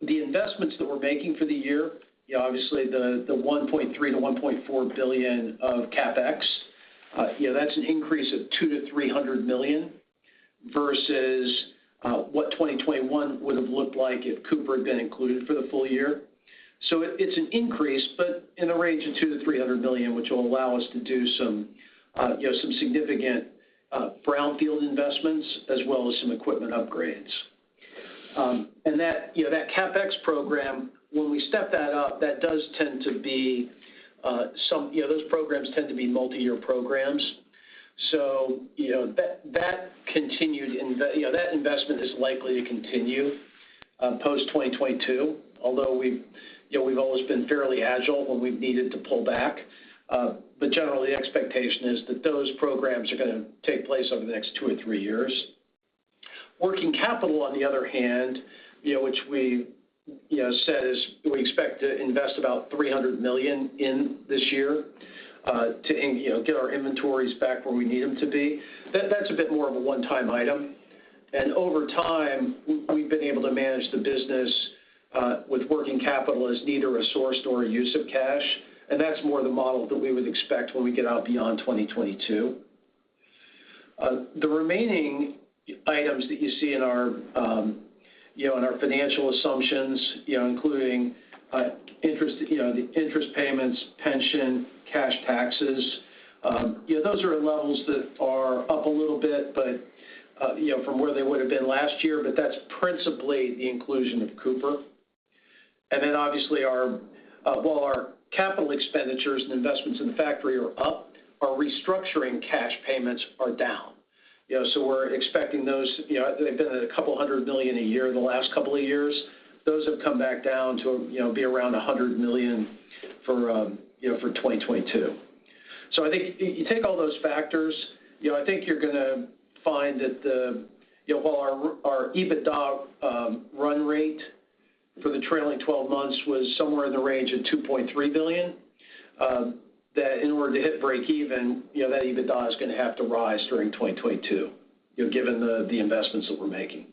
Speaker 4: The investments that we're making for the year, you know, obviously the $1.3 billion-$1.4 billion of CapEx, you know, that's an increase of $200 million-$300 million versus what 2021 would have looked like if Cooper had been included for the full year. It's an increase, but in the range of $200 million-$300 million, which will allow us to do some, you know, significant brownfield investments as well as some equipment upgrades. That CapEx program, when we step that up, does tend to be. You know, those programs tend to be multiyear programs. You know, that investment is likely to continue post-2022, although we've you know always been fairly agile when we've needed to pull back. Generally, the expectation is that those programs are gonna take place over the next two or three years. Working capital, on the other hand, you know, which we, you know, said is we expect to invest about $300 million in this year, you know, to get our inventories back where we need them to be. That's a bit more of a one-time item. Over time, we've been able to manage the business, with working capital as neither a source nor a use of cash, and that's more the model that we would expect when we get out beyond 2022. The remaining items that you see in our, you know, in our financial assumptions, you know, including, interest, you know, the interest payments, pension, cash taxes, you know, those are at levels that are up a little bit, but, you know, from where they would've been last year, but that's principally the inclusion of Cooper. Obviously, while our capital expenditures and investments in the factory are up, our restructuring cash payments are down. You know, we're expecting those. You know, they've been at $200 million a year in the last couple of years. Those have come back down to, you know, be around $100 million for 2022. I think you take all those factors. You know, I think you're gonna find that, you know, while our EBITDA run rate for the trailing twelve months was somewhere in the range of $2.3 billion, that in order to hit breakeven, you know, that EBITDA is gonna have to rise during 2022, you know, given the investments that we're making.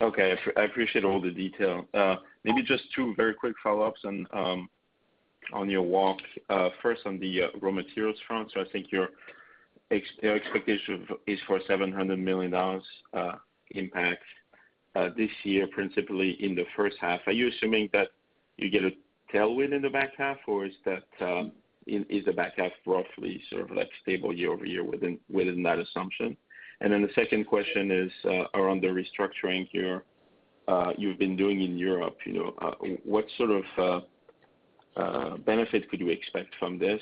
Speaker 6: Okay. I appreciate all the detail. Maybe just two very quick follow-ups on your walk. First on the raw materials front. So I think your expectation is for $700 million impact this year, principally in the first half. Are you assuming that you get a tailwind in the back half, or is that is the back half roughly sort of like stable year over year within that assumption? And then the second question is around the restructuring you've been doing in Europe. You know, what sort of benefit could we expect from this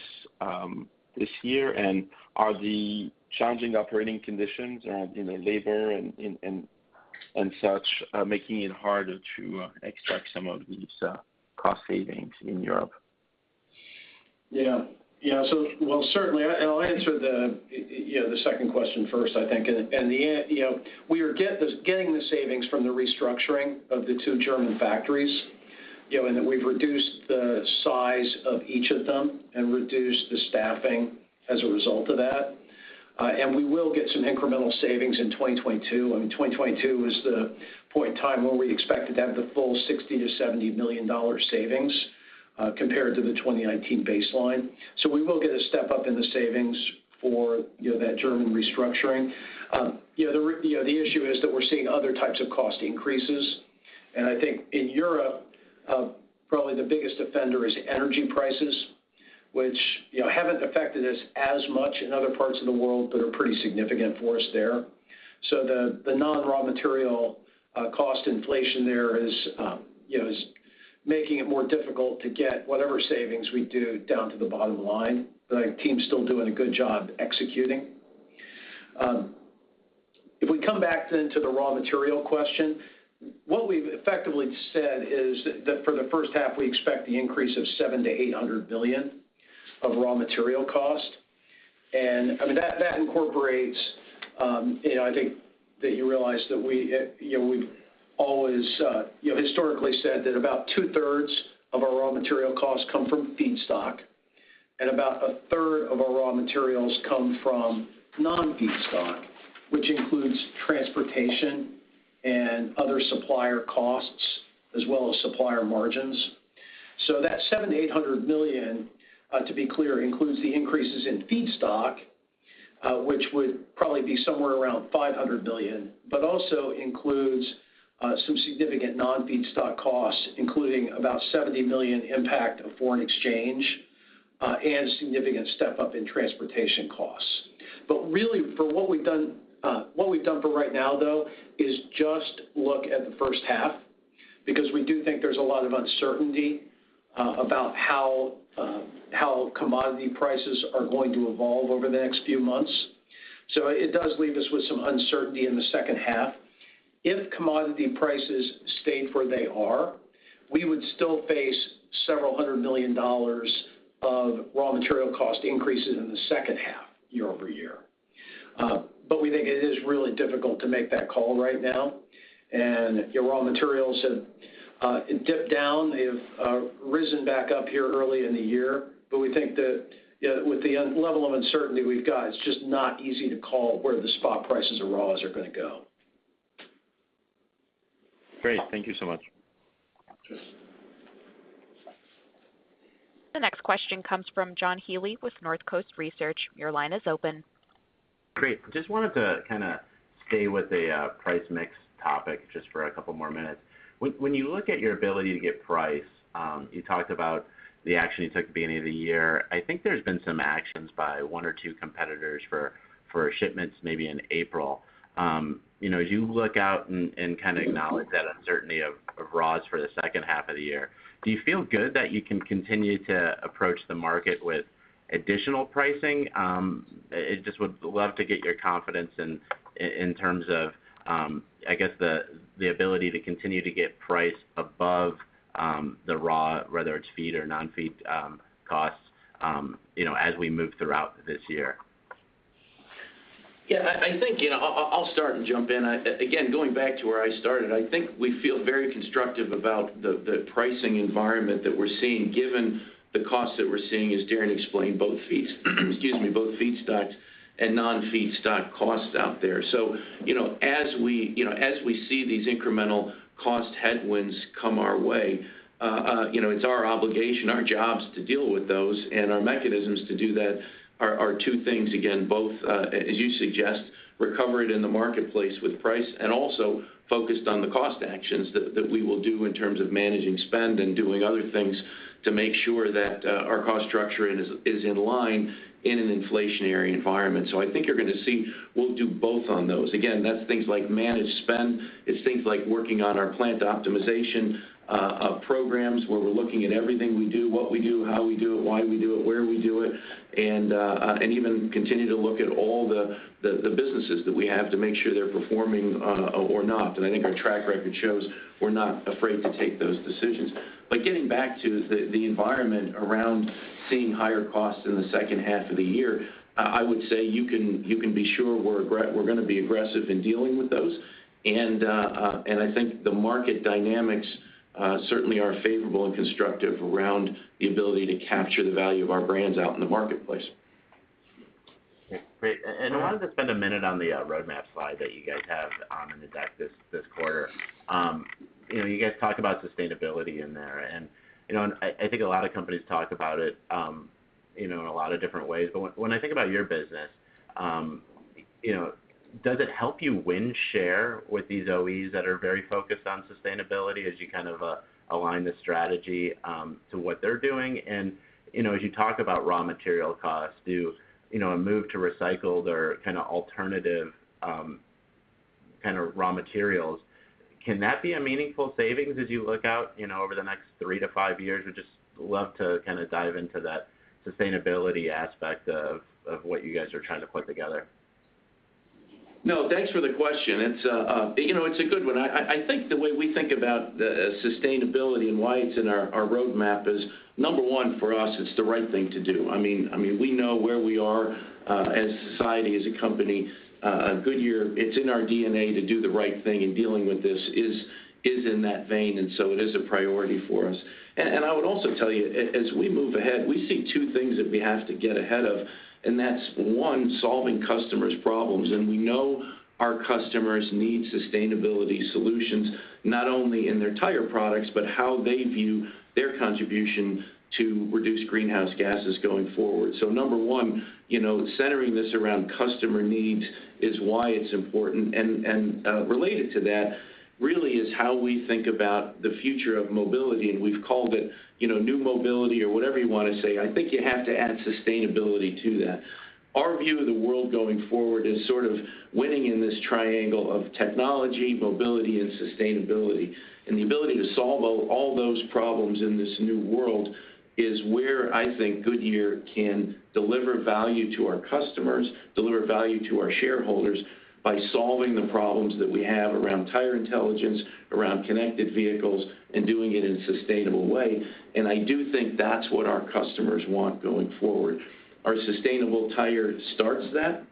Speaker 6: this year? And are the challenging operating conditions, you know, labor and such making it harder to extract some of these cost savings in Europe?
Speaker 4: Well, certainly. I'll answer the second question first, I think. You know, we are getting the savings from the restructuring of the two German factories, you know, in that we've reduced the size of each of them and reduced the staffing as a result of that. We will get some incremental savings in 2022. I mean, 2022 is the point in time where we expect to have the full $60 million-$70 million savings, compared to the 2019 baseline. We will get a step-up in the savings for, you know, that German restructuring. You know, the issue is that we're seeing other types of cost increases. I think in Europe, probably the biggest offender is energy prices, which, you know, haven't affected us as much in other parts of the world, but are pretty significant for us there. The non-raw material cost inflation there is, you know, making it more difficult to get whatever savings we do down to the bottom line, but our team's still doing a good job executing. If we come back then to the raw material question, what we've effectively said is that for the first half, we expect the increase of $700 million-$800 million of raw material cost. I mean, that incorporates you know, I think that you realize that we you know, we've always you know, historically said that about two-thirds of our raw material costs come from feedstock and about a third of our raw materials come from non-feedstock, which includes transportation and other supplier costs as well as supplier margins. That $700 million-$800 million, to be clear, includes the increases in feedstock, which would probably be somewhere around $500 million, but also includes some significant non-feedstock costs, including about $70 million impact of foreign exchange, and a significant step-up in transportation costs. Really, for what we've done for right now though, is just look at the first half because we do think there's a lot of uncertainty about how commodity prices are going to evolve over the next few months. So it does leave us with some uncertainty in the second half. If commodity prices stayed where they are, we would still face $ several hundred million of raw material cost increases in the second half year-over-year. We think it is really difficult to make that call right now. You know, raw materials have dipped down. They have risen back up here early in the year. We think that, you know, with the level of uncertainty we've got, it's just not easy to call where the spot prices of raws are gonna go.
Speaker 6: Great. Thank you so much.
Speaker 4: Sure.
Speaker 1: The next question comes from John Healy with Northcoast Research. Your line is open.
Speaker 7: Great. Just wanted to kind of stay with the price mix topic just for a couple more minutes. When you look at your ability to get price, you talked about the action you took at the beginning of the year. I think there's been some actions by one or two competitors for shipments maybe in April. You know, as you look out and kind of acknowledge that uncertainty of raws for the second half of the year, do you feel good that you can continue to approach the market with additional pricing? Just would love to get your confidence in terms of, I guess the ability to continue to get price above the raw, whether it's feed or non-feed, costs, you know, as we move throughout this year.
Speaker 3: Yeah, I think, you know, I'll start and jump in. Again, going back to where I started, I think we feel very constructive about the pricing environment that we're seeing given the cost that we're seeing, as Darren explained, both feedstocks and non-feedstock costs out there. So, you know, as we, you know, as we see these incremental cost headwinds come our way, you know, it's our obligation, our jobs to deal with those, and our mechanisms to do that are two things, again, both as you suggest, recovered in the marketplace with price and also focused on the cost actions that we will do in terms of managing spend and doing other things to make sure that our cost structure is in line in an inflationary environment. I think you're gonna see we'll do both on those. Again, that's things like managed spend. It's things like working on our plant optimization programs, where we're looking at everything we do, what we do, how we do it, why we do it, where we do it, and even continue to look at all the businesses that we have to make sure they're performing or not. I think our track record shows we're not afraid to take those decisions. Getting back to the environment around seeing higher costs in the second half of the year, I would say you can be sure we're gonna be aggressive in dealing with those. I think the market dynamics certainly are favorable and constructive around the ability to capture the value of our brands out in the marketplace.
Speaker 7: Great. I wanted to spend a minute on the roadmap slide that you guys have in the deck this quarter. You know, you guys talk about sustainability in there, and you know, I think a lot of companies talk about it, you know, in a lot of different ways. But when I think about your business, you know, does it help you win share with these OEs that are very focused on sustainability as you kind of align the strategy to what they're doing? You know, as you talk about raw material costs, does a move to recycled or kind of alternative kind of raw materials can that be a meaningful savings as you look out, you know, over the next 3-5 years? Would just love to kind of dive into that sustainability aspect of what you guys are trying to put together.
Speaker 3: No, thanks for the question. It's you know, it's a good one. I think the way we think about the sustainability and why it's in our roadmap is, number one, for us, it's the right thing to do. I mean, we know where we are as a society, as a company. Goodyear, it's in our DNA to do the right thing, and dealing with this is in that vein, and so it is a priority for us. I would also tell you, as we move ahead, we see two things that we have to get ahead of, and that's one, solving customers' problems. We know our customers need sustainability solutions, not only in their tire products, but how they view their contribution to reduce greenhouse gases going forward. Number one, you know, centering this around customer needs is why it's important. Related to that really is how we think about the future of mobility, and we've called it, you know, new mobility or whatever you wanna say. I think you have to add sustainability to that. Our view of the world going forward is sort of winning in this triangle of technology, mobility, and sustainability. The ability to solve all those problems in this new world is where I think Goodyear can deliver value to our customers, deliver value to our shareholders, by solving the problems that we have around tire intelligence, around connected vehicles, and doing it in a sustainable way. I do think that's what our customers want going forward. Our sustainable tire starts that.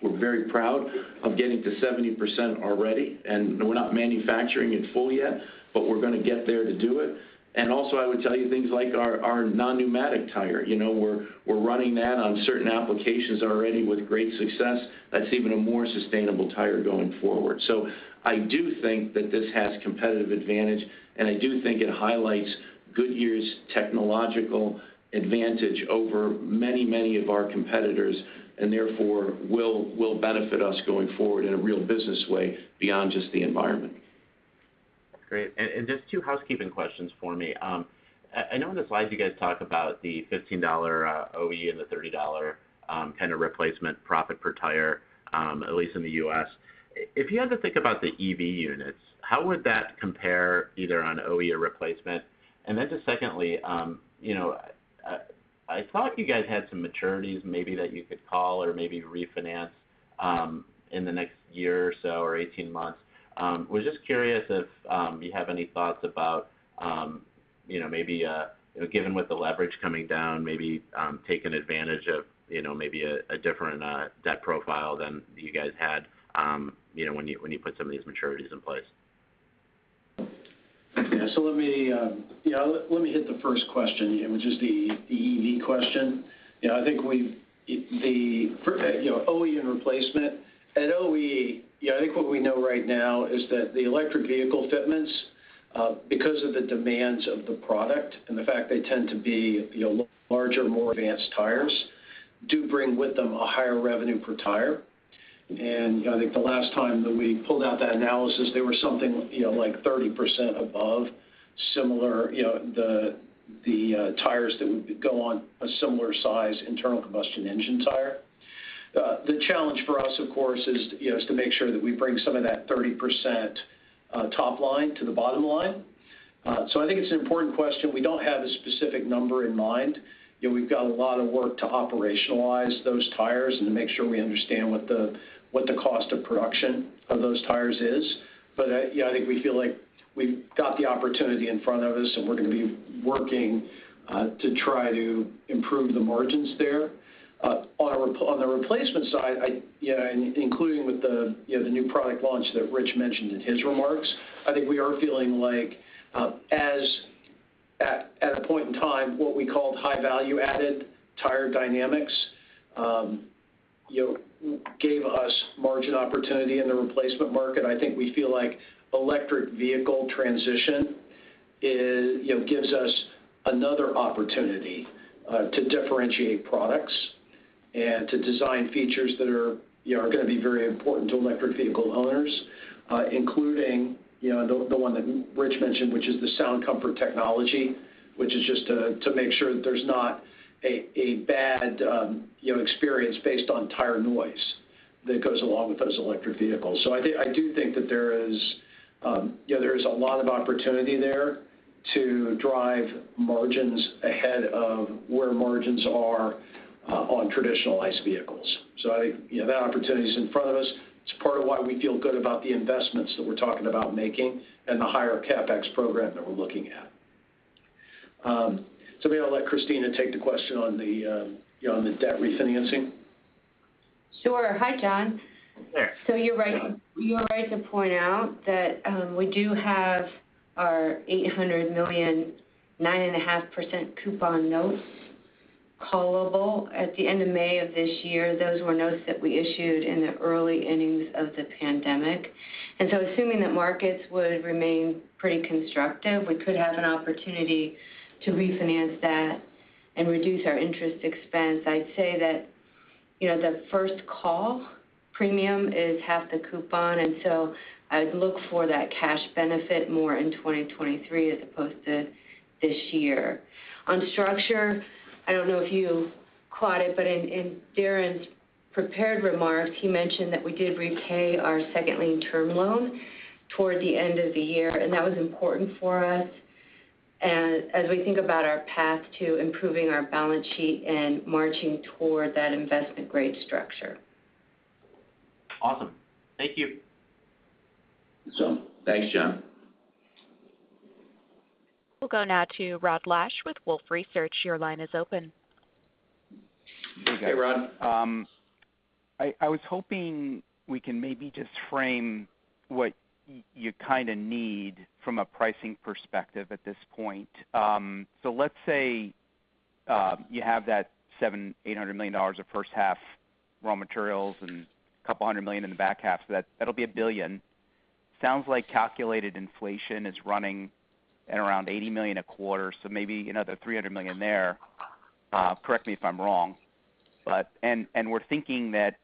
Speaker 3: We're very proud of getting to 70% already, and we're not manufacturing in full yet, but we're gonna get there to do it. Also, I would tell you things like our non-pneumatic tire. You know, we're running that on certain applications already with great success. That's even a more sustainable tire going forward. I do think that this has competitive advantage, and I do think it highlights Goodyear's technological advantage over many, many of our competitors, and therefore will benefit us going forward in a real business way beyond just the environment.
Speaker 7: Great. Just two housekeeping questions for me. I know in the slides you guys talk about the $15 OE and the $30 kind of replacement profit per tire, at least in the U.S. If you had to think about the EV units, how would that compare either on OE or replacement? Just secondly, you know, I thought you guys had some maturities maybe that you could call or maybe refinance in the next year or so, or 18 months. I was just curious if you have any thoughts about, you know, maybe given with the leverage coming down, maybe taking advantage of, you know, maybe a different debt profile than you guys had, you know, when you put some of these maturities in place.
Speaker 4: Let me hit the first question, which is the EV question. You know, I think you know, OE and replacement. At OE, I think what we know right now is that the electric vehicle fitments Because of the demands of the product and the fact they tend to be larger, more advanced tires, do bring with them a higher revenue per tire. I think the last time that we pulled out that analysis, they were something, you know, like 30% above similar, you know, the tires that would go on a similar size internal combustion engine tire. The challenge for us, of course, is, you know, to make sure that we bring some of that 30%, top line to the bottom line. I think it's an important question. We don't have a specific number in mind, you know, we've got a lot of work to operationalize those tires and to make sure we understand what the cost of production of those tires is. Yeah, I think we feel like we've got the opportunity in front of us, and we're gonna be working to try to improve the margins there. On the replacement side, you know, including with the, you know, the new product launch that Rich mentioned in his remarks, I think we are feeling like at a point in time, what we called high value-added tire dynamics, you know, gave us margin opportunity in the replacement market. I think we feel like electric vehicle transition is, you know, gives us another opportunity to differentiate products and to design features that are, you know, are gonna be very important to electric vehicle owners, including, you know, the one that Rich mentioned, which is the SoundComfort Technology, which is just to make sure that there's not a bad, you know, experience based on tire noise that goes along with those electric vehicles. I do think that there is, you know, there is a lot of opportunity there to drive margins ahead of where margins are on traditional ICE vehicles. I think, you know, that opportunity is in front of us. It's part of why we feel good about the investments that we're talking about making and the higher CapEx program that we're looking at. Maybe I'll let Christina take the question on the, you know, on the debt refinancing.
Speaker 8: Sure. Hi, John.
Speaker 4: There. Yeah.
Speaker 8: You're right to point out that we do have our $800 million, 9.5% coupon notes callable at the end of May of this year. Those were notes that we issued in the early innings of the pandemic. Assuming that markets would remain pretty constructive, we could have an opportunity to refinance that and reduce our interest expense. I'd say that, you know, the first call premium is half the coupon. I'd look for that cash benefit more in 2023 as opposed to this year. On structure, I don't know if you caught it, but in Darren's prepared remarks, he mentioned that we did repay our second lien term loan toward the end of the year, and that was important for us as we think about our path to improving our balance sheet and marching toward that investment grade structure.
Speaker 7: Awesome. Thank you.
Speaker 8: Thanks, John.
Speaker 1: We'll go now to Rod Lache with Wolfe Research. Your line is open.
Speaker 9: Hey, Rod. I was hoping we can maybe just frame what you kind of need from a pricing perspective at this point. Let's say you have that $700-$800 million of first half raw materials and a couple hundred million in the back half. That'll be a billion. Sounds like calculated inflation is running at around $80 million a quarter, so maybe another $300 million there. Correct me if I'm wrong. We're thinking that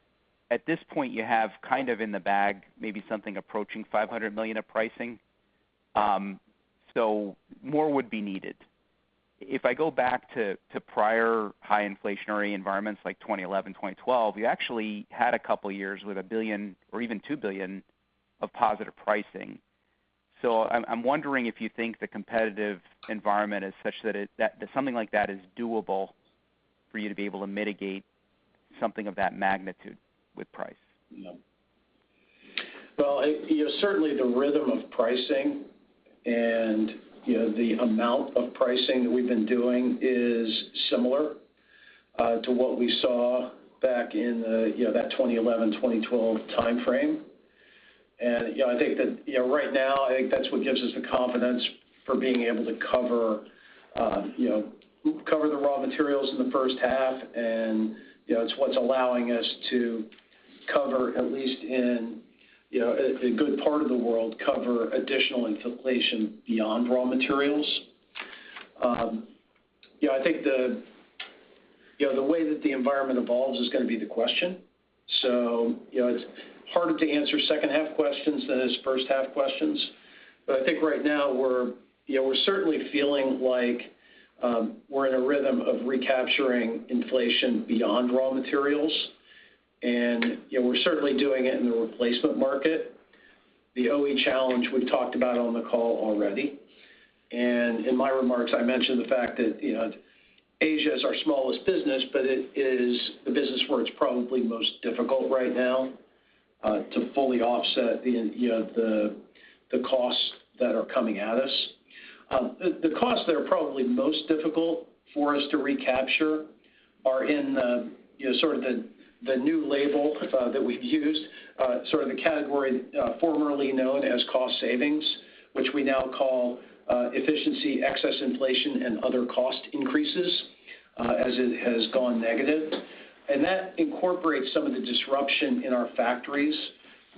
Speaker 9: at this point you have kind of in the bag maybe something approaching $500 million of pricing. More would be needed. If I go back to prior high inflationary environments like 2011, 2012, you actually had a couple years with a billion or even $2 billion of positive pricing. I'm wondering if you think the competitive environment is such that that something like that is doable for you to be able to mitigate something of that magnitude with price?
Speaker 4: No. Well, you know, certainly the rhythm of pricing and, you know, the amount of pricing that we've been doing is similar to what we saw back in that 2011, 2012 timeframe. You know, I think that, you know, right now, I think that's what gives us the confidence for being able to cover the raw materials in the first half. You know, it's what's allowing us to cover, at least in a good part of the world, cover additional inflation beyond raw materials. You know, I think, you know, the way that the environment evolves is gonna be the question. You know, it's harder to answer second half questions than it is first half questions. I think right now we're, you know, we're certainly feeling like we're in a rhythm of recapturing inflation beyond raw materials. You know, we're certainly doing it in the replacement market. The OE challenge we've talked about on the call already. In my remarks, I mentioned the fact that, you know, Asia is our smallest business, but it is the business where it's probably most difficult right now to fully offset the, you know, the costs that are coming at us. The costs that are probably most difficult for us to recapture are in, you know, sort of the new label that we've used sort of the category formerly known as cost savings, which we now call Efficiency, excess inflation, and other cost increases as it has gone negative. That incorporates some of the disruption in our factories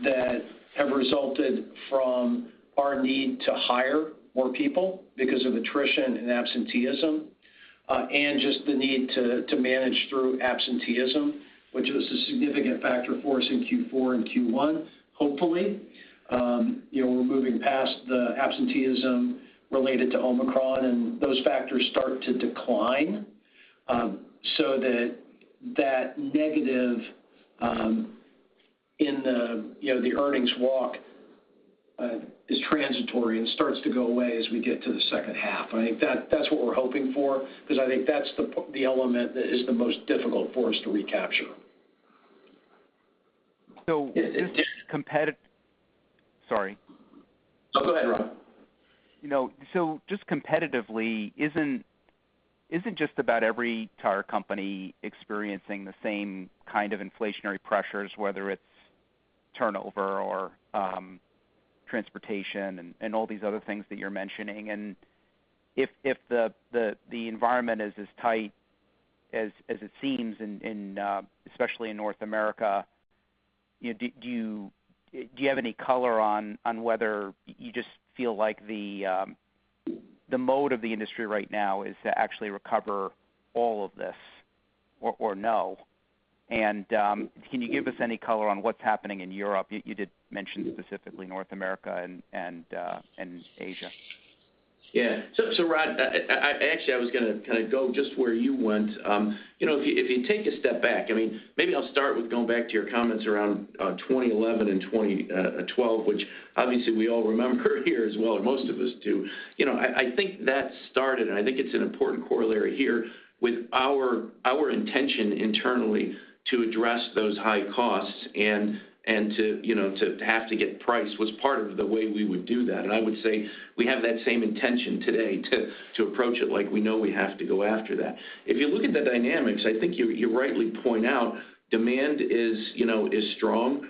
Speaker 4: that have resulted from our need to hire more people because of attrition and absenteeism, and just the need to manage through absenteeism, which was a significant factor for us in Q4 and Q1. Hopefully, you know, we're moving past the absenteeism related to Omicron and those factors start to decline, so that negative in the, you know, the earnings walk is transitory and starts to go away as we get to the second half. I think that's what we're hoping for because I think that's the element that is the most difficult for us to recapture.
Speaker 9: Sorry.
Speaker 3: No, go ahead, Rod.
Speaker 9: You know, just competitively, isn't just about every tire company experiencing the same kind of inflationary pressures, whether it's turnover or transportation and all these other things that you're mentioning. If the environment is as tight as it seems in especially in North America, you know, do you have any color on whether you just feel like the mode of the industry right now is to actually recover all of this or no. Can you give us any color on what's happening in Europe? You did mention specifically North America and Asia.
Speaker 3: Rod, I actually was gonna kinda go just where you went. You know, if you take a step back, I mean, maybe I'll start with going back to your comments around 2011 and 2012, which obviously we all remember here as well, or most of us do. You know, I think that started, and I think it's an important corollary here with our intention internally to address those high costs and to have to get price was part of the way we would do that. I would say we have that same intention today to approach it like we know we have to go after that. If you look at the dynamics, I think you rightly point out demand is strong.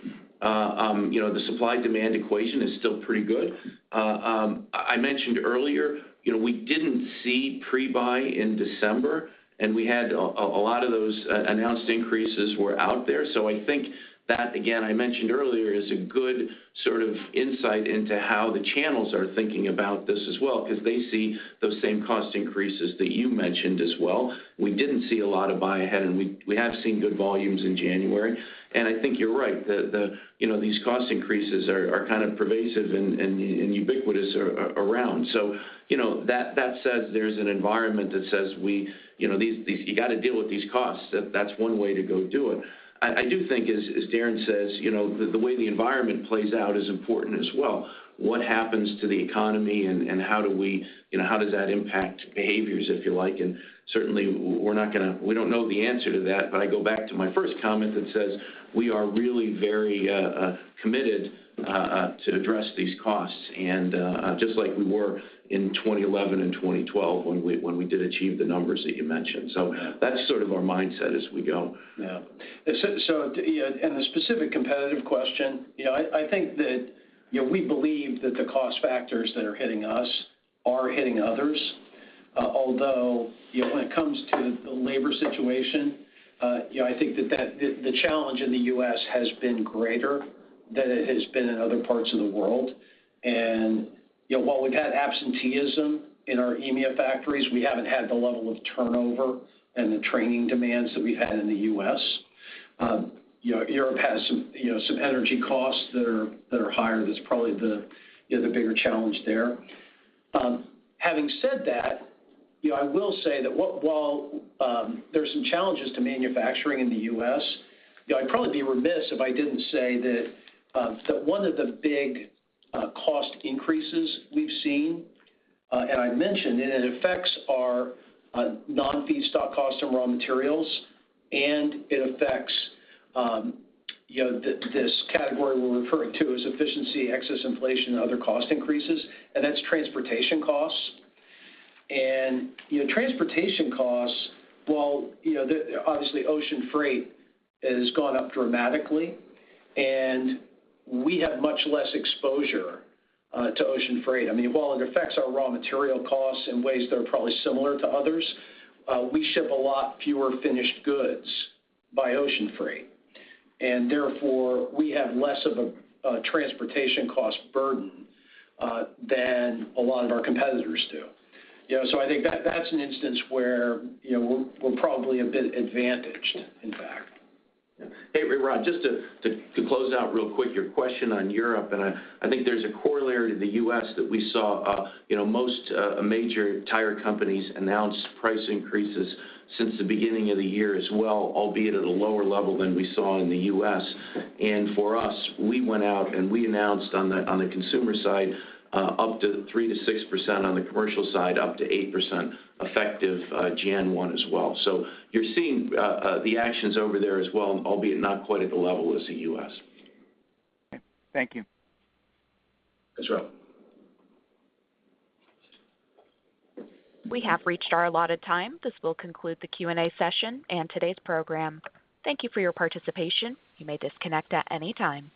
Speaker 3: You know, the supply-demand equation is still pretty good. I mentioned earlier, you know, we didn't see pre-buy in December, and we had a lot of those announced increases were out there. I think that, again, I mentioned earlier is a good sort of insight into how the channels are thinking about this as well because they see those same cost increases that you mentioned as well. We didn't see a lot of buy-ahead, and we have seen good volumes in January. I think you're right. You know, these cost increases are kind of pervasive and ubiquitous around. You know, that says there's an environment that says we, you know, these you gotta deal with these costs. That's one way to go do it. I do think as Darren says, you know, the way the environment plays out is important as well. What happens to the economy and how do we, you know, how does that impact behaviors, if you like. Certainly, we don't know the answer to that, but I go back to my first comment that says we are really very committed to address these costs and just like we were in 2011 and 2012 when we did achieve the numbers that you mentioned. That's sort of our mindset as we go.
Speaker 4: On the specific competitive question, you know, I think that, you know, we believe that the cost factors that are hitting us are hitting others. Although, you know, when it comes to the labor situation, you know, I think that the challenge in the U.S. has been greater than it has been in other parts of the world. While we've had absenteeism in our EMEA factories, we haven't had the level of turnover and the training demands that we've had in the U.S. You know, Europe has some energy costs that are higher. That's probably the bigger challenge there. Having said that, you know, I will say that while there are some challenges to manufacturing in the U.S., you know, I'd probably be remiss if I didn't say that one of the big cost increases we've seen, and I mentioned, and it affects our non-feedstock cost and raw materials, and it affects this category we're referring to as efficiency, excess inflation, other cost increases, and that's transportation costs. You know, transportation costs, while you know, obviously ocean freight has gone up dramatically, and we have much less exposure to ocean freight. I mean, while it affects our raw material costs in ways that are probably similar to others, we ship a lot fewer finished goods by ocean freight, and therefore, we have less of a transportation cost burden than a lot of our competitors do. You know, I think that's an instance where, you know, we're probably a bit advantaged, in fact.
Speaker 3: Hey, Rod, just to close out real quick your question on Europe. I think there's a corollary to the U.S. that we saw most major tire companies announce price increases since the beginning of the year as well, albeit at a lower level than we saw in the U.S. For us, we went out, and we announced on the consumer side up to 3%-6% on the commercial side, up to 8% effective January 1 as well. You're seeing the actions over there as well, albeit not quite at the level as the U.S.
Speaker 9: Thank you.
Speaker 3: Thanks, Rod.
Speaker 1: We have reached our allotted time. This will conclude the Q&A session and today's program. Thank you for your participation. You may disconnect at any time.